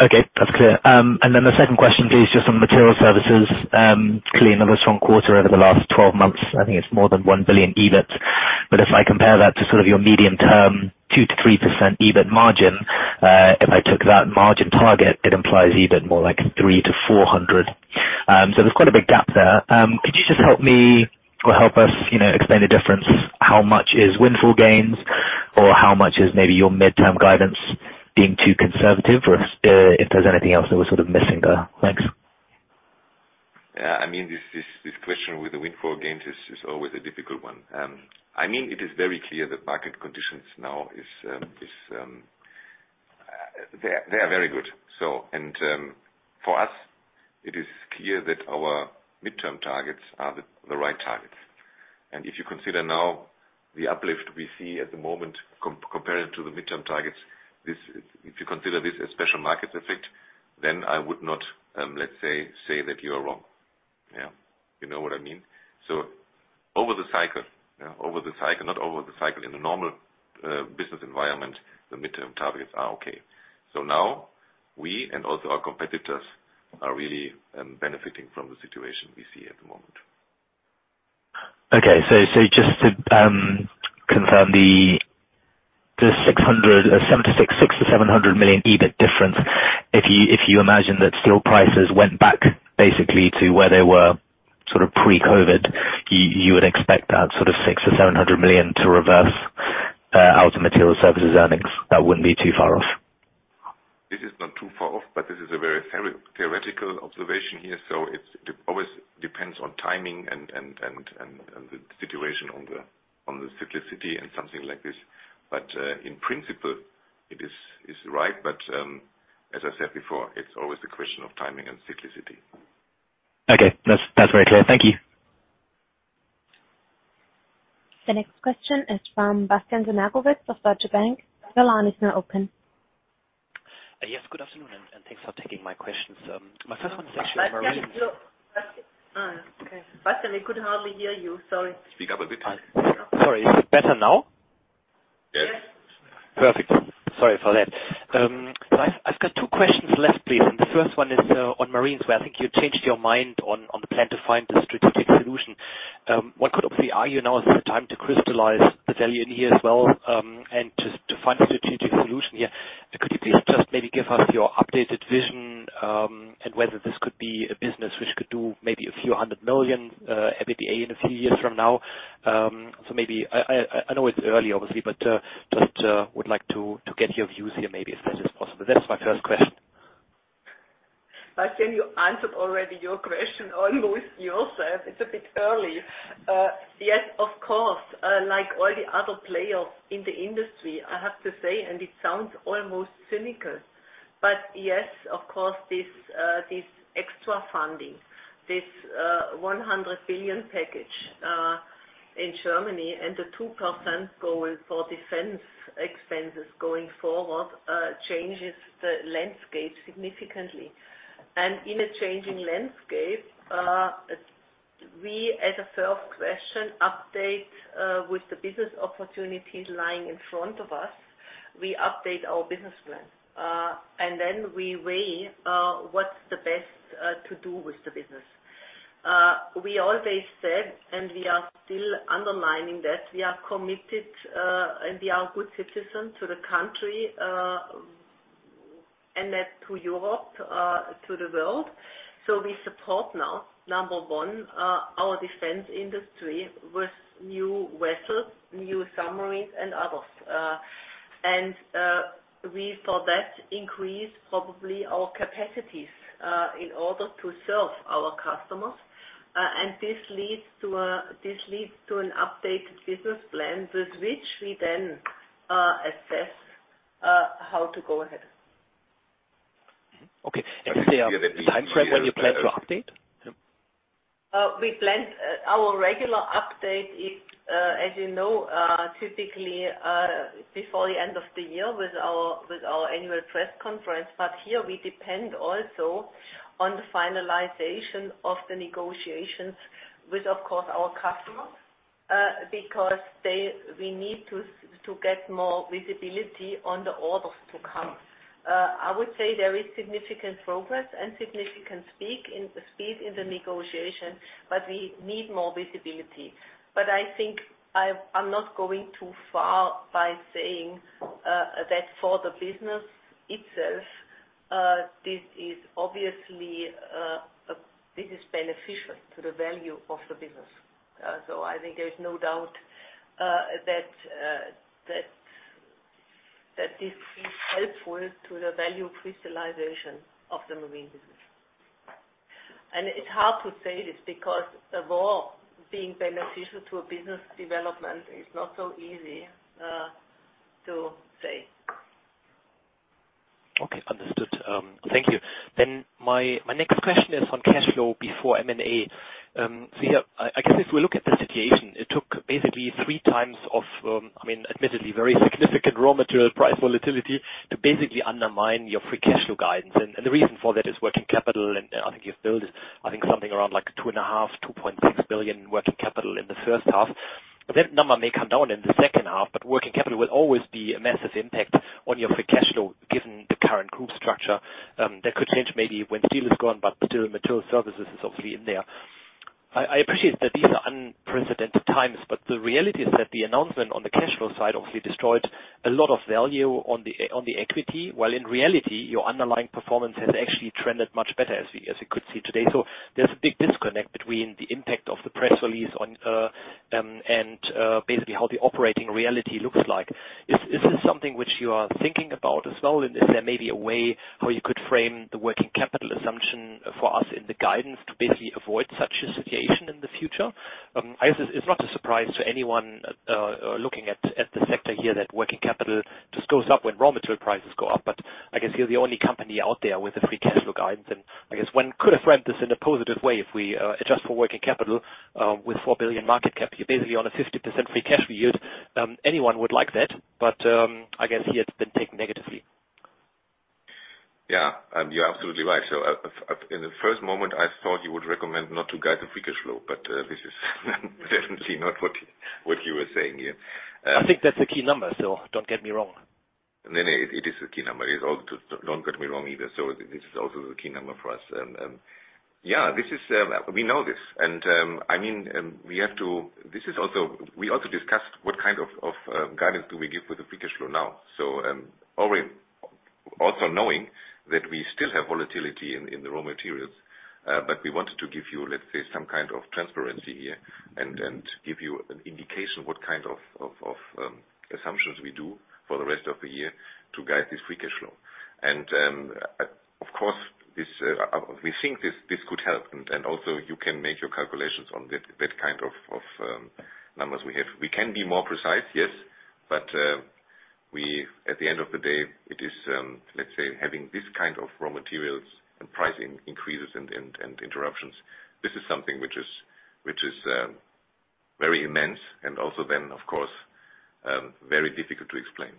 Okay, that's clear. The second question is just on material services. Clearly another strong quarter over the last 12 months. I think it's more than 1 billion EBIT. If I compare that to sort of your medium-term 2%-3% EBIT margin, if I took that margin target, it implies EBIT more like 300 million-400 million. There's quite a big gap there. Could you just help me or help us, you know, explain the difference, how much is windfall gains or how much is maybe your mid-term guidance being too conservative or if there's anything else that we're sort of missing there? Thanks. Yeah. I mean, this question with the windfall gains is always a difficult one. I mean, it is very clear the market conditions now are very good. For us it is clear that our midterm targets are the right targets. If you consider now the uplift we see at the moment to the midterm targets. This is, if you consider this a special market effect, then I would not, let's say that you are wrong. Yeah. You know what I mean? Over the cycle, not over the cycle in a normal business environment, the midterm targets are okay. Now we and also our competitors are really benefiting from the situation we see at the moment. Okay. Just to confirm the 676 million, 600 million-700 million EBIT difference. If you imagine that steel prices went back basically to where they were sort of pre-COVID, you would expect that sort of 600 or 700 million to reverse out of Materials Services earnings. That wouldn't be too far off. This is not too far off, but this is a very theoretical observation here, so it's. It always depends on timing and the situation on the cyclicity and something like this. In principle it is right. As I said before, it's always a question of timing and cyclicity. Okay. That's very clear. Thank you. The next question is from Bastian Synagowitz of Deutsche Bank. Your line is now open. Yes, good afternoon, and thanks for taking my questions. My first one is actually on Marine. Bastian, look. Bastian. Okay. Bastian, we could hardly hear you. Sorry. Speak up a bit. Sorry. Is it better now? Yes. Yes. Perfect. Sorry for that. I've got two questions left, please. The first one is on Marine Systems, where I think you changed your mind on the plan to find a strategic solution. One could obviously argue now is the time to crystallize the value in here as well, and to find a strategic solution here. Could you please just maybe give us your updated vision, and whether this could be a business which could do maybe a few hundred million EBITDA in a few years from now? I know it's early obviously, but just would like to get your views here maybe as best as possible. That's my first question. Bastian, you answered already your question almost yourself. It's a bit early. Yes, of course, like all the other players in the industry, I have to say, and it sounds almost cynical, but yes, of course, this extra funding, this 100 billion package in Germany and the 2% goal for defense expenses going forward changes the landscape significantly. In a changing landscape, we reassess and update with the business opportunities lying in front of us. We update our business plan. Then we weigh what's the best to do with the business. We always said, and we are still underlining that, we are committed and we are a good citizen to the country, and that to Europe to the world. We support now, number one, our defense industry with new vessels, new submarines and others. We for that increase probably our capacities, in order to serve our customers. This leads to an updated business plan with which we then assess how to go ahead. Okay. Is there a timeframe when you plan to update? We plan our regular update is, as you know, typically before the end of the year with our annual press conference. Here we depend also on the finalization of the negotiations with, of course, our customers, because we need to get more visibility on the orders to come. I would say there is significant progress and significant speed in the negotiation, but we need more visibility. I think I'm not going too far by saying that for the business itself, this is obviously beneficial to the value of the business. I think there's no doubt that this is helpful to the value crystallization of the Marine business. It's hard to say this because a war being beneficial to a business development is not so easy to say. Okay, understood. Thank you. My next question is on cash flow before M&A. I guess if we look at the situation, it took basically three times of, I mean, admittedly very significant raw material price volatility to basically undermine your free cash flow guidance. The reason for that is working capital. I think you've built something around like 2.5 billion, 2.6 billion working capital in the first half. That number may come down in the second half, but working capital will always be a massive impact on your free cash flow, given the current group structure. That could change maybe when steel is gone, but still Materials Services is obviously in there. I appreciate that these are unprecedented times, but the reality is that the announcement on the cash flow side obviously destroyed a lot of value on the equity, while in reality your underlying performance has actually trended much better, as we could see today. There's a big disconnect between the impact of the press release basically how the operating reality looks like. Is this something which you are thinking about as well, and is there maybe a way how you could frame the working capital assumption for us in the guidance to basically avoid such a situation in the future? I guess it's not a surprise to anyone looking at the sector here that working capital just goes up when raw material prices go up, but I guess you're the only company out there with a free cash flow guidance. I guess one could have framed this in a positive way if we adjust for working capital with 4 billion market cap. You're basically on a 50% free cash flow yield. Anyone would like that, but I guess here it's been taken negatively. Yeah, you're absolutely right. In the first moment I thought you would recommend not to guide the free cash flow, but this is definitely not what you were saying here. I think that's a key number, so don't get me wrong. No, it is a key number. Don't get me wrong either. This is also the key number for us. Yeah, this is. We know this. I mean, we also discussed what kind of guidance do we give for the free cash flow now. Already also knowing that we still have volatility in the raw materials, but we wanted to give you, let's say, some kind of transparency here and give you an indication what kind of assumptions we do for the rest of the year to guide this free cash flow. Of course, we think this could help. Also you can make your calculations on that kind of numbers we have. We can be more precise, yes. At the end of the day, it is, let's say, having this kind of raw materials and pricing increases and interruptions. This is something which is very immense and also then, of course, very difficult to explain.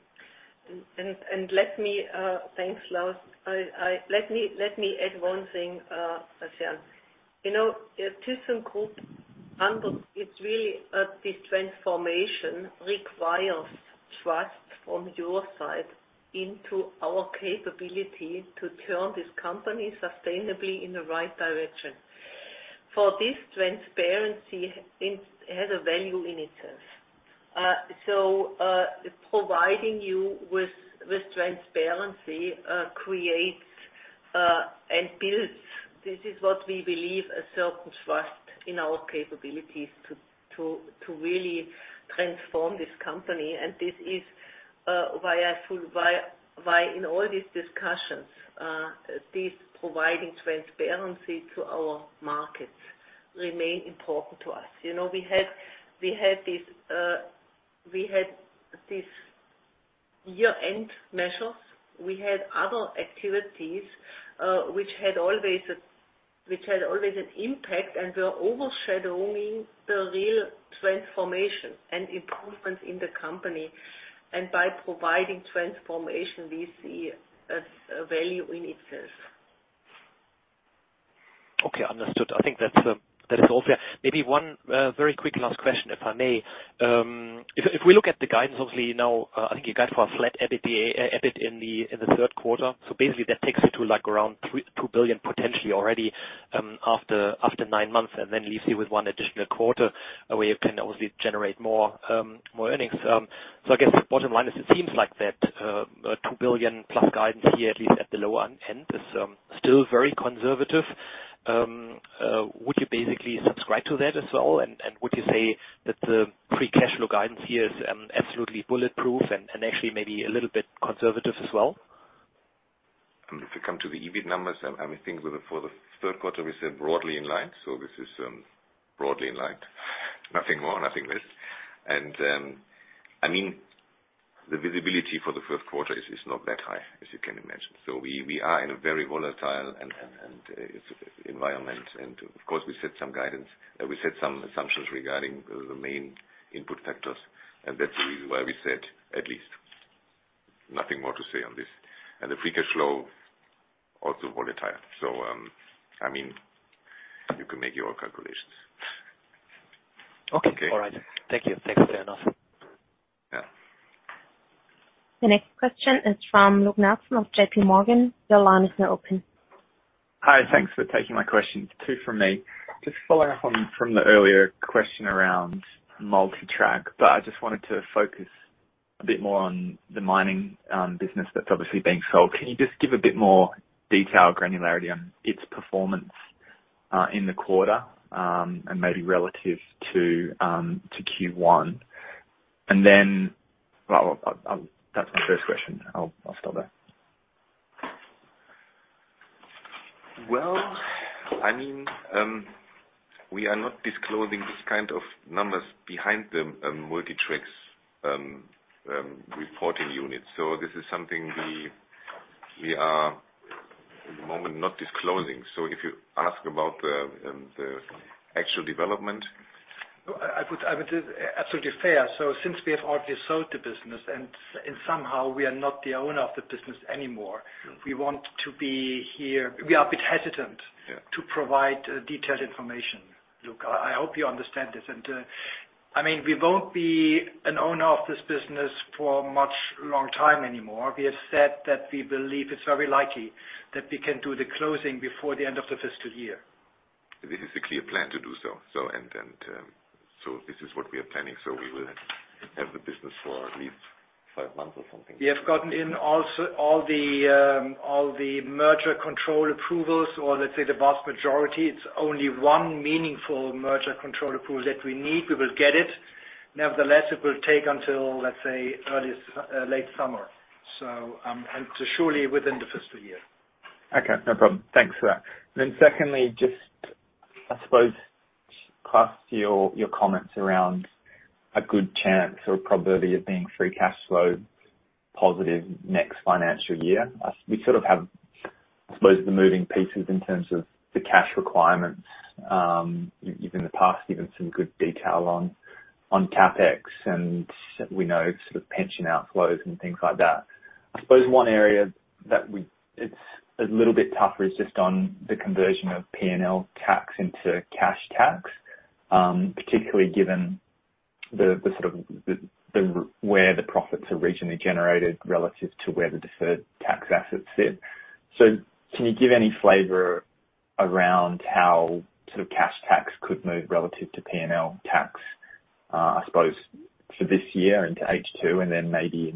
Thanks, Klaus. Let me add one thing, Bastian. You know, thyssenkrupp, and it's really this transformation requires trust from your side into our capability to turn this company sustainably in the right direction. For this transparency, it has a value in itself. Providing you with transparency creates and builds, this is what we believe, a certain trust in our capabilities to really transform this company. This is why I feel in all these discussions this providing transparency to our markets remain important to us. You know, we had these year-end measures. We had other activities, which had always an impact and were overshadowing the real transformation and improvements in the company. By providing transformation, we see as a value in itself. Okay, understood. I think that's all fair. Maybe one very quick last question, if I may. If we look at the guidance, obviously, now I think you guide for a flat EBITDA, EBIT in the third quarter. Basically, that takes you to, like, around 2 billion potentially already after nine months and then leaves you with one additional quarter where you can obviously generate more earnings. I guess the bottom line is it seems like that 2 billion+ guidance here, at least at the lower end, is still very conservative. Would you basically subscribe to that as well? And would you say that the free cash flow guidance here is absolutely bulletproof and actually maybe a little bit conservative as well? If we come to the EBIT numbers, I would think for the third quarter, we said broadly in line. This is broadly in line. Nothing more, nothing less. I mean, the visibility for the fourth quarter is not that high, as you can imagine. We are in a very volatile and environment. Of course, we set some guidance, we set some assumptions regarding the main input factors, and that's the reason why we said at least. Nothing more to say on this. The free cash flow, also volatile. I mean, you can make your calculations. Okay. Okay. All right. Thank you. Thanks very much. Yeah. The next question is from Luke Nelson of JP Morgan. Your line is now open. Hi. Thanks for taking my questions. Two from me. Just following up from the earlier question around Multi Tracks, but I just wanted to focus a bit more on the mining business that's obviously being sold. Can you just give a bit more detail, granularity on its performance in the quarter, and maybe relative to Q1? That's my first question. I'll stop there. Well, I mean, we are not disclosing this kind of numbers behind the Multi Tracks reporting unit. This is something we are at the moment not disclosing. If you ask about the actual development. No, I would say absolutely fair. Since we have already sold the business and somehow we are not the owner of the business anymore. Mm-hmm. We want to be here. We are a bit hesitant. Yeah. to provide detailed information, Luke. I hope you understand this. I mean, we won't be an owner of this business for much long time anymore. We have said that we believe it's very likely that we can do the closing before the end of the fiscal year. This is a clear plan to do so. This is what we are planning, so we will have the business for at least five months or something. We have gotten also all the merger control approvals or, let's say, the vast majority. It's only one meaningful merger control approval that we need. We will get it. Nevertheless, it will take until, let's say, late summer, and surely within the fiscal year. Okay, no problem. Thanks for that. Secondly, just, I suppose, plus your comments around a good chance or probability of being free cash flow positive next financial year. As we sort of have most of the moving pieces in terms of the cash requirements. You've in the past given some good detail on CapEx, and we know sort of pension outflows and things like that. I suppose one area that it's a little bit tougher is just on the conversion of P&L tax into cash tax, particularly given the sort of region where the profits are regionally generated relative to where the deferred tax assets sit. Can you give any flavor around how sort of cash tax could move relative to P&L tax, I suppose, for this year into H2 and then maybe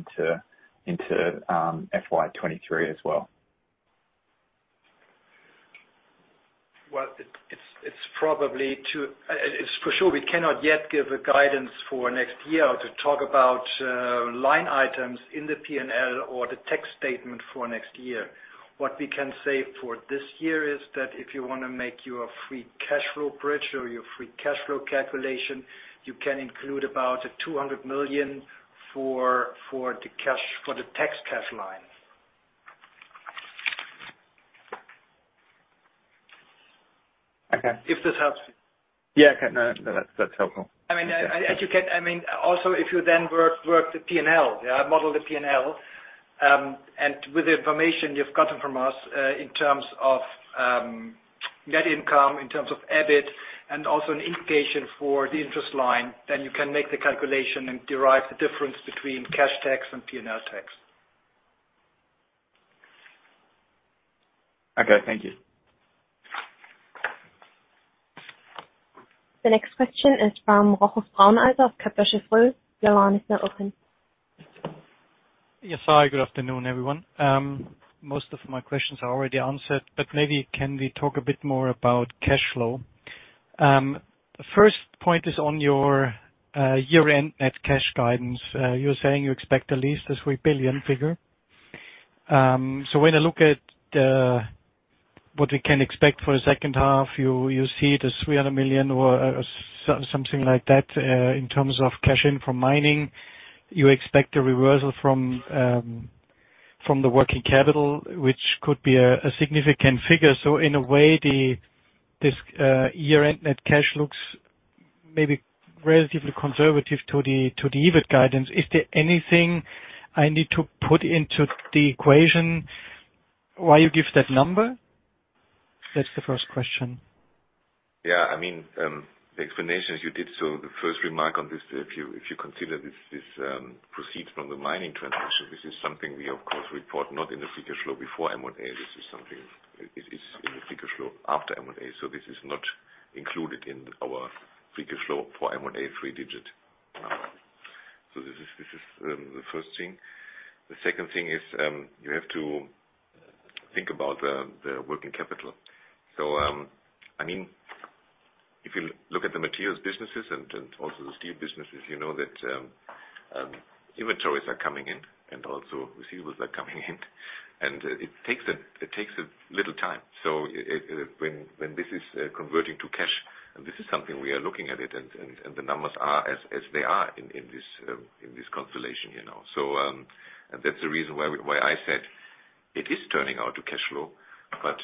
into FY 2023 as well? It's for sure we cannot yet give a guidance for next year to talk about line items in the P&L or the tax statement for next year. What we can say for this year is that if you wanna make your free cash flow bridge or your free cash flow calculation, you can include about 200 million for the tax cash line. Okay. If this helps you. Yeah. Okay. No, no, that's helpful. I mean, also, if you then work the P&L, yeah, model the P&L, and with the information you've gotten from us, in terms of net income, in terms of EBIT, and also an indication for the interest line, then you can make the calculation and derive the difference between cash tax and P&L tax. Okay, thank you. The next question is from Rochus Brauneiser of Kepler Cheuvreux. Your line is now open. Yes. Hi, good afternoon, everyone. Most of my questions are already answered, but maybe can we talk a bit more about cash flow? First point is on your year-end net cash guidance. You're saying you expect at least a 3 billion figure. So when I look at what we can expect for the second half, you see the 300 million or something like that in terms of cash in from mining. You expect a reversal from the working capital, which could be a significant figure. So in a way, this year-end net cash looks maybe relatively conservative to the EBIT guidance. Is there anything I need to put into the equation why you give that number? That's the first question. Yeah, I mean, the explanation is you did so the first remark on this, if you consider this proceeds from the mining transaction, this is something we of course report not in the free cash flow before M&A. This is something. It is in the free cash flow after M&A. This is not included in our free cash flow for M&A three-digit. This is the first thing. The second thing is, you have to think about the working capital. I mean, if you look at the materials businesses and also the steel businesses, you know that inventories are coming in and also receivables are coming in. It takes a little time. It, when this is converting to cash, and this is something we are looking at it, and the numbers are as they are in this constellation, you know. That's the reason why I said it is turning out to cash flow, but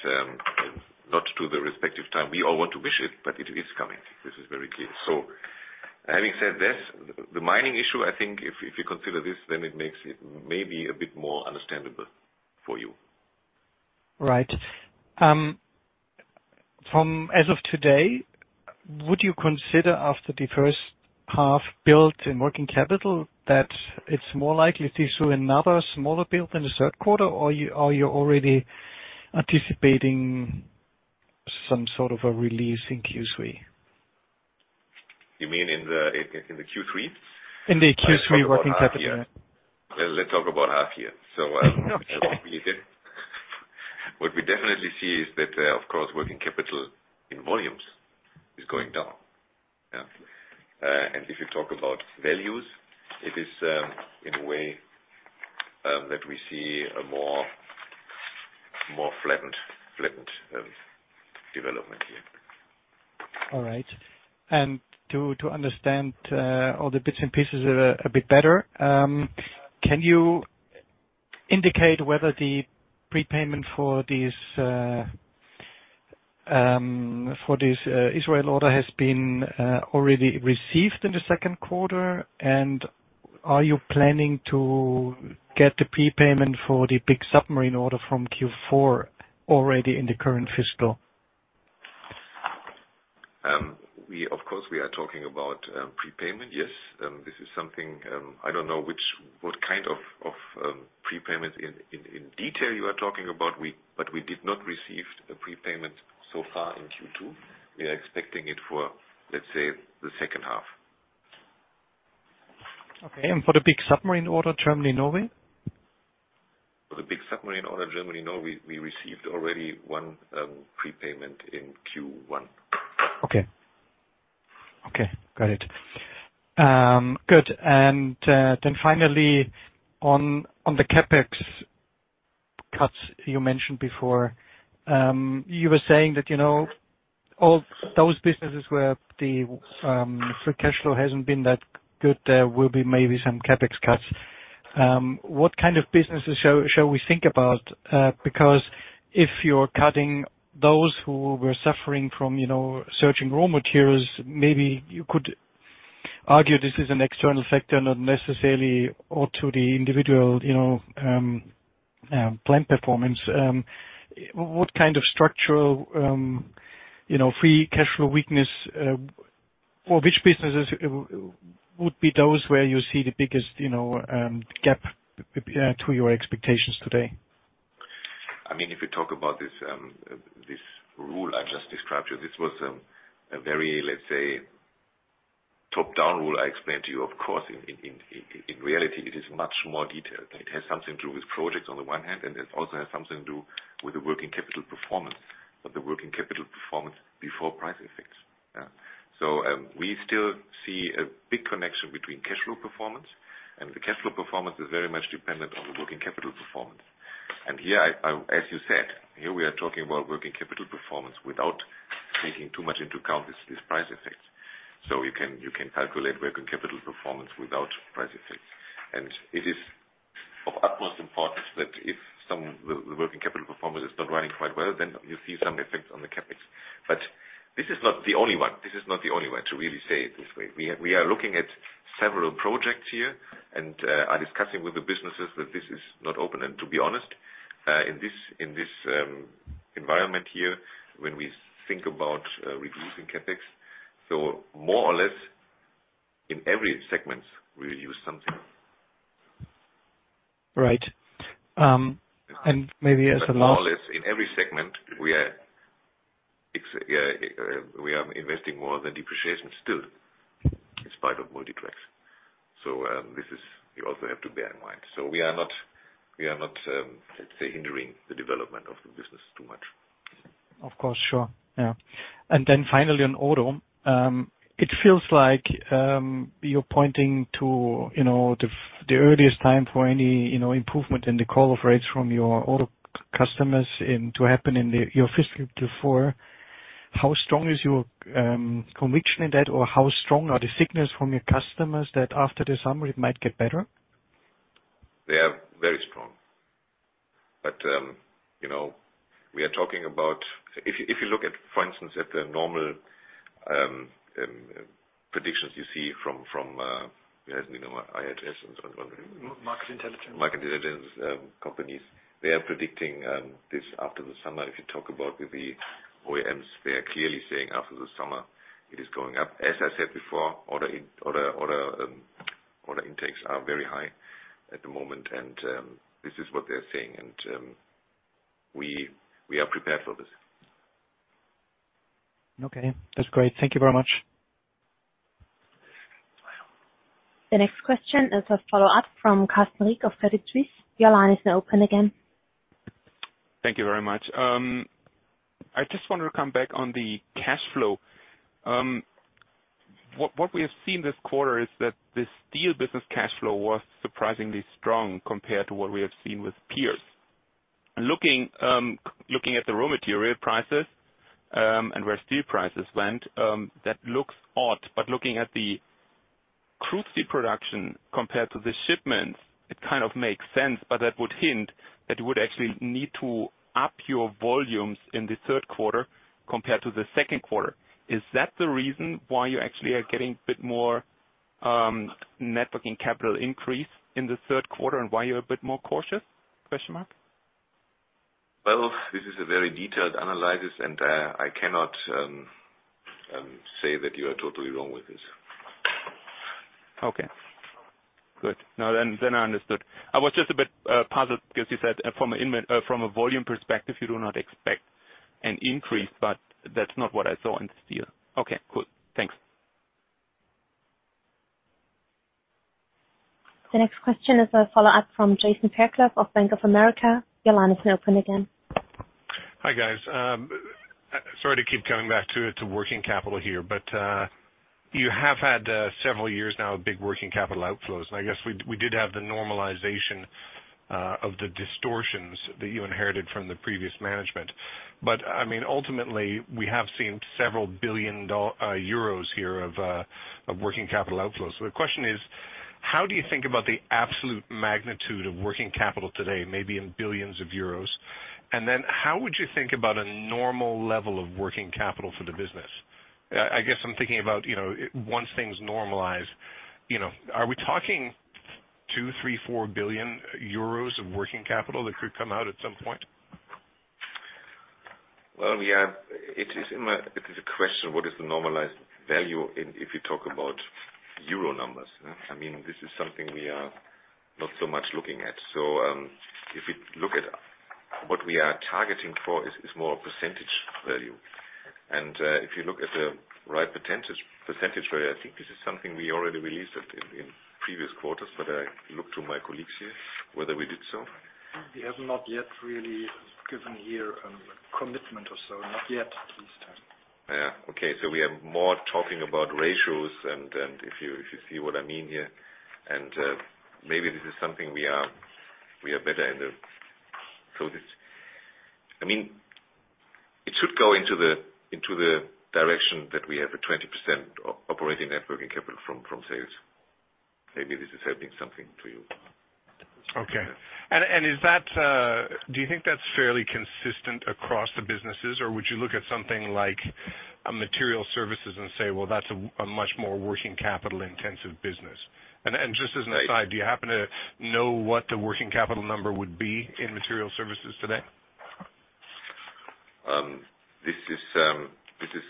not to the respective time we all want to wish it, but it is coming. This is very clear. Having said this, the mining issue, I think if you consider this, then it makes it maybe a bit more understandable for you. Right. From as of today, would you consider after the first half built in working capital that it's more likely to see another smaller build in the third quarter? Or you're already anticipating some sort of a release in Q3? You mean in the Q3? In the Q3 working capital. Let's talk about half year. Okay. What we definitely see is that, of course working capital in volumes is going down. Yeah. If you talk about values, it is, in a way, that we see a more flattened development here. All right. To understand all the bits and pieces a bit better, can you indicate whether the prepayment for this Israel order has been already received in the second quarter? Are you planning to get the prepayment for the big submarine order from Q4 already in the current fiscal? We of course are talking about prepayment. Yes. This is something I don't know what kind of prepayment in detail you are talking about. We did not receive a prepayment so far in Q2. We are expecting it for, let's say, the second half. Okay. For the big submarine order, Germany, Norway? For the big submarine order, Germany, Norway, we received already one prepayment in Q1. Okay. Okay, got it. Good. Then finally on the CapEx cuts you mentioned before. You were saying that, you know, all those businesses where the free cash flow hasn't been that good, there will be maybe some CapEx cuts. What kind of businesses shall we think about? Because if you're cutting those who were suffering from, you know, surging raw materials, maybe you could argue this is an external factor, not necessarily due to the individual, you know, plant performance. What kind of structural, you know, free cash flow weakness, or which businesses would be those where you see the biggest, you know, gap to your expectations today? I mean, if you talk about this rule I just described to you, this was a very, let's say, top-down rule I explained to you. Of course, in reality it is much more detailed. It has something to do with projects on the one hand, and it also has something to do with the working capital performance, but the working capital performance before price effects. We still see a big connection between cash flow performance and the cash flow performance is very much dependent on the working capital performance. Here I, as you said, here we are talking about working capital performance without taking too much into account this price effect. You can calculate working capital performance without price effects. It is of utmost importance that if some working capital performance is not running quite well, then you see some effects on the CapEx. This is not the only one to really say it this way. We are looking at several projects here and are discussing with the businesses that this is not open. To be honest, in this environment here, when we think about reducing CapEx, so more or less in every segment we use something. Right. Maybe as a last More or less in every segment we are investing more than depreciation still in spite of Multi Tracks. This is, you also have to bear in mind. We are not, let's say, hindering the development of the business too much. Of course. Sure. Yeah. Finally on Auto, it feels like you're pointing to, you know, the earliest time for any, you know, improvement in the call-off rates from your Auto customers to happen in your fiscal 2024. How strong is your conviction in that? Or how strong are the signals from your customers that after the summer it might get better? They are very strong. You know, we are talking about if you look at, for instance, at the normal predictions you see from, as we know, IHS and so on. Market intelligence. Market intelligence companies, they are predicting this after the summer. If you talk about with the OEMs, they are clearly saying after the summer it is going up. As I said before, order intakes are very high at the moment and this is what they're saying and we are prepared for this. Okay. That's great. Thank you very much. The next question is a follow-up from Carsten Riek of Credit Suisse. Your line is now open again. Thank you very much. I just wanted to come back on the cash flow. What we have seen this quarter is that the steel business cash flow was surprisingly strong compared to what we have seen with peers. Looking at the raw material prices, and where steel prices went, that looks odd. Looking at the crude steel production compared to the shipments, it kind of makes sense. That would hint that you would actually need to up your volumes in the third quarter compared to the second quarter. Is that the reason why you actually are getting a bit more net working capital increase in the third quarter and why you're a bit more cautious? Well, this is a very detailed analysis, and I cannot say that you are totally wrong with this. Okay. Good. No, then I understood. I was just a bit puzzled 'cause you said from a volume perspective you do not expect an increase, but that's not what I saw in steel. Okay. Cool. Thanks. The next question is a follow-up from Jason Fairclough of Bank of America. Your line is now open again. Hi, guys. Sorry to keep coming back to it, to working capital here, but you have had several years now of big working capital outflows, and I guess we did have the normalization of the distortions that you inherited from the previous management. I mean, ultimately, we have seen several billion euros here of working capital outflows. The question is: How do you think about the absolute magnitude of working capital today, maybe in billions of euros? And then how would you think about a normal level of working capital for the business? I guess I'm thinking about, you know, once things normalize, you know, are we talking 2, 3, 4 billion euros of working capital that could come out at some point? Well, yeah, it is a question of what is the normalized value if you talk about euro numbers. I mean, this is something we are not so much looking at. If you look at what we are targeting for is more a percentage value. If you look at the right percentage value, I think this is something we already released in previous quarters, but I look to my colleagues here whether we did so. We have not yet really given here a commitment or so. Not yet. We are more talking about ratios and if you see what I mean here, and maybe this is something we are better in. This, I mean, it should go into the direction that we have a 20% operating net working capital from sales. Maybe this is helping something to you. Okay. Is that do you think that's fairly consistent across the businesses, or would you look at something like Materials Services and say, "Well, that's a much more working capital intensive business?" Just as an aside, do you happen to know what the working capital number would be in Materials Services today? This is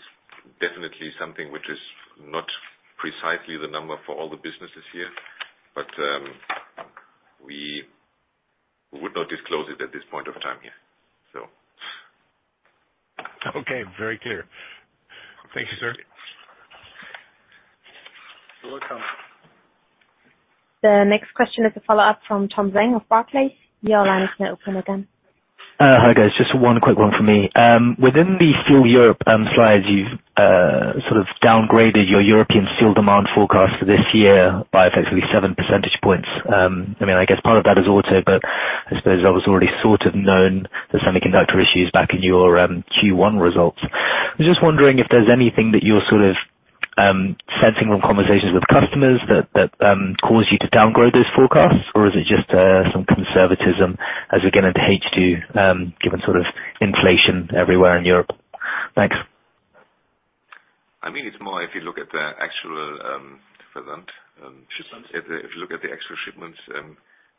definitely something which is not precisely the number for all the businesses here, but we would not disclose it at this point of time here, so. Okay, very clear. Thank you, sir. You're welcome. The next question is a follow-up from Tom Zhang of Barclays. Your line is now open again. Hi, guys. Just one quick one from me. Within the Steel Europe slides, you've sort of downgraded your European steel demand forecast for this year by effectively seven percentage points. I mean, I guess part of that is auto, but I suppose that was already sort of known, the semiconductor issues, back in your Q1 results. I'm just wondering if there's anything that you're sort of sensing from conversations with customers that caused you to downgrade those forecasts? Or is it just some conservatism as we get into H2, given sort of inflation everywhere in Europe? Thanks. I mean, it's more if you look at the actual shipments. If you look at the actual shipments,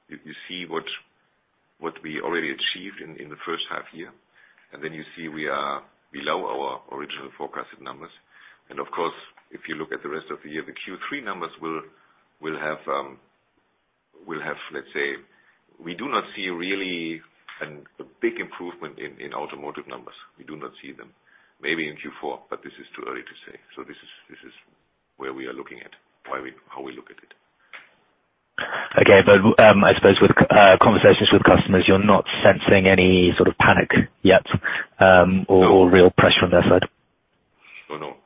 you see what we already achieved in the first half year, and then you see we are below our original forecasted numbers. Of course, if you look at the rest of the year, the Q3 numbers will have, let's say. We do not see really a big improvement in automotive numbers. We do not see them. Maybe in Q4, but this is too early to say. This is where we are looking at, how we look at it. Okay. I suppose with conversations with customers, you're not sensing any sort of panic yet? No. real pressure on their side? Oh, no.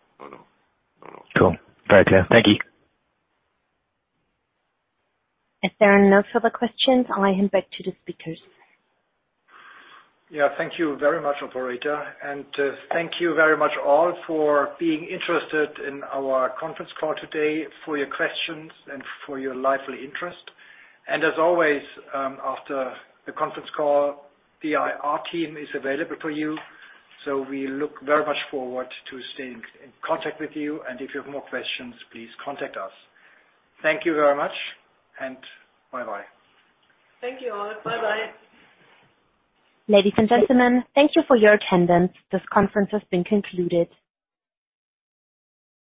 Cool. Very clear. Thank you. If there are no further questions, I hand back to the speakers. Yeah, thank you very much, operator. Thank you very much all for being interested in our conference call today, for your questions and for your lively interest. As always, after the conference call, the IR team is available for you, so we look very much forward to staying in contact with you. If you have more questions, please contact us. Thank you very much and bye-bye. Thank you all. Bye-bye. Ladies and gentlemen, thank you for your attendance. This conference has been concluded.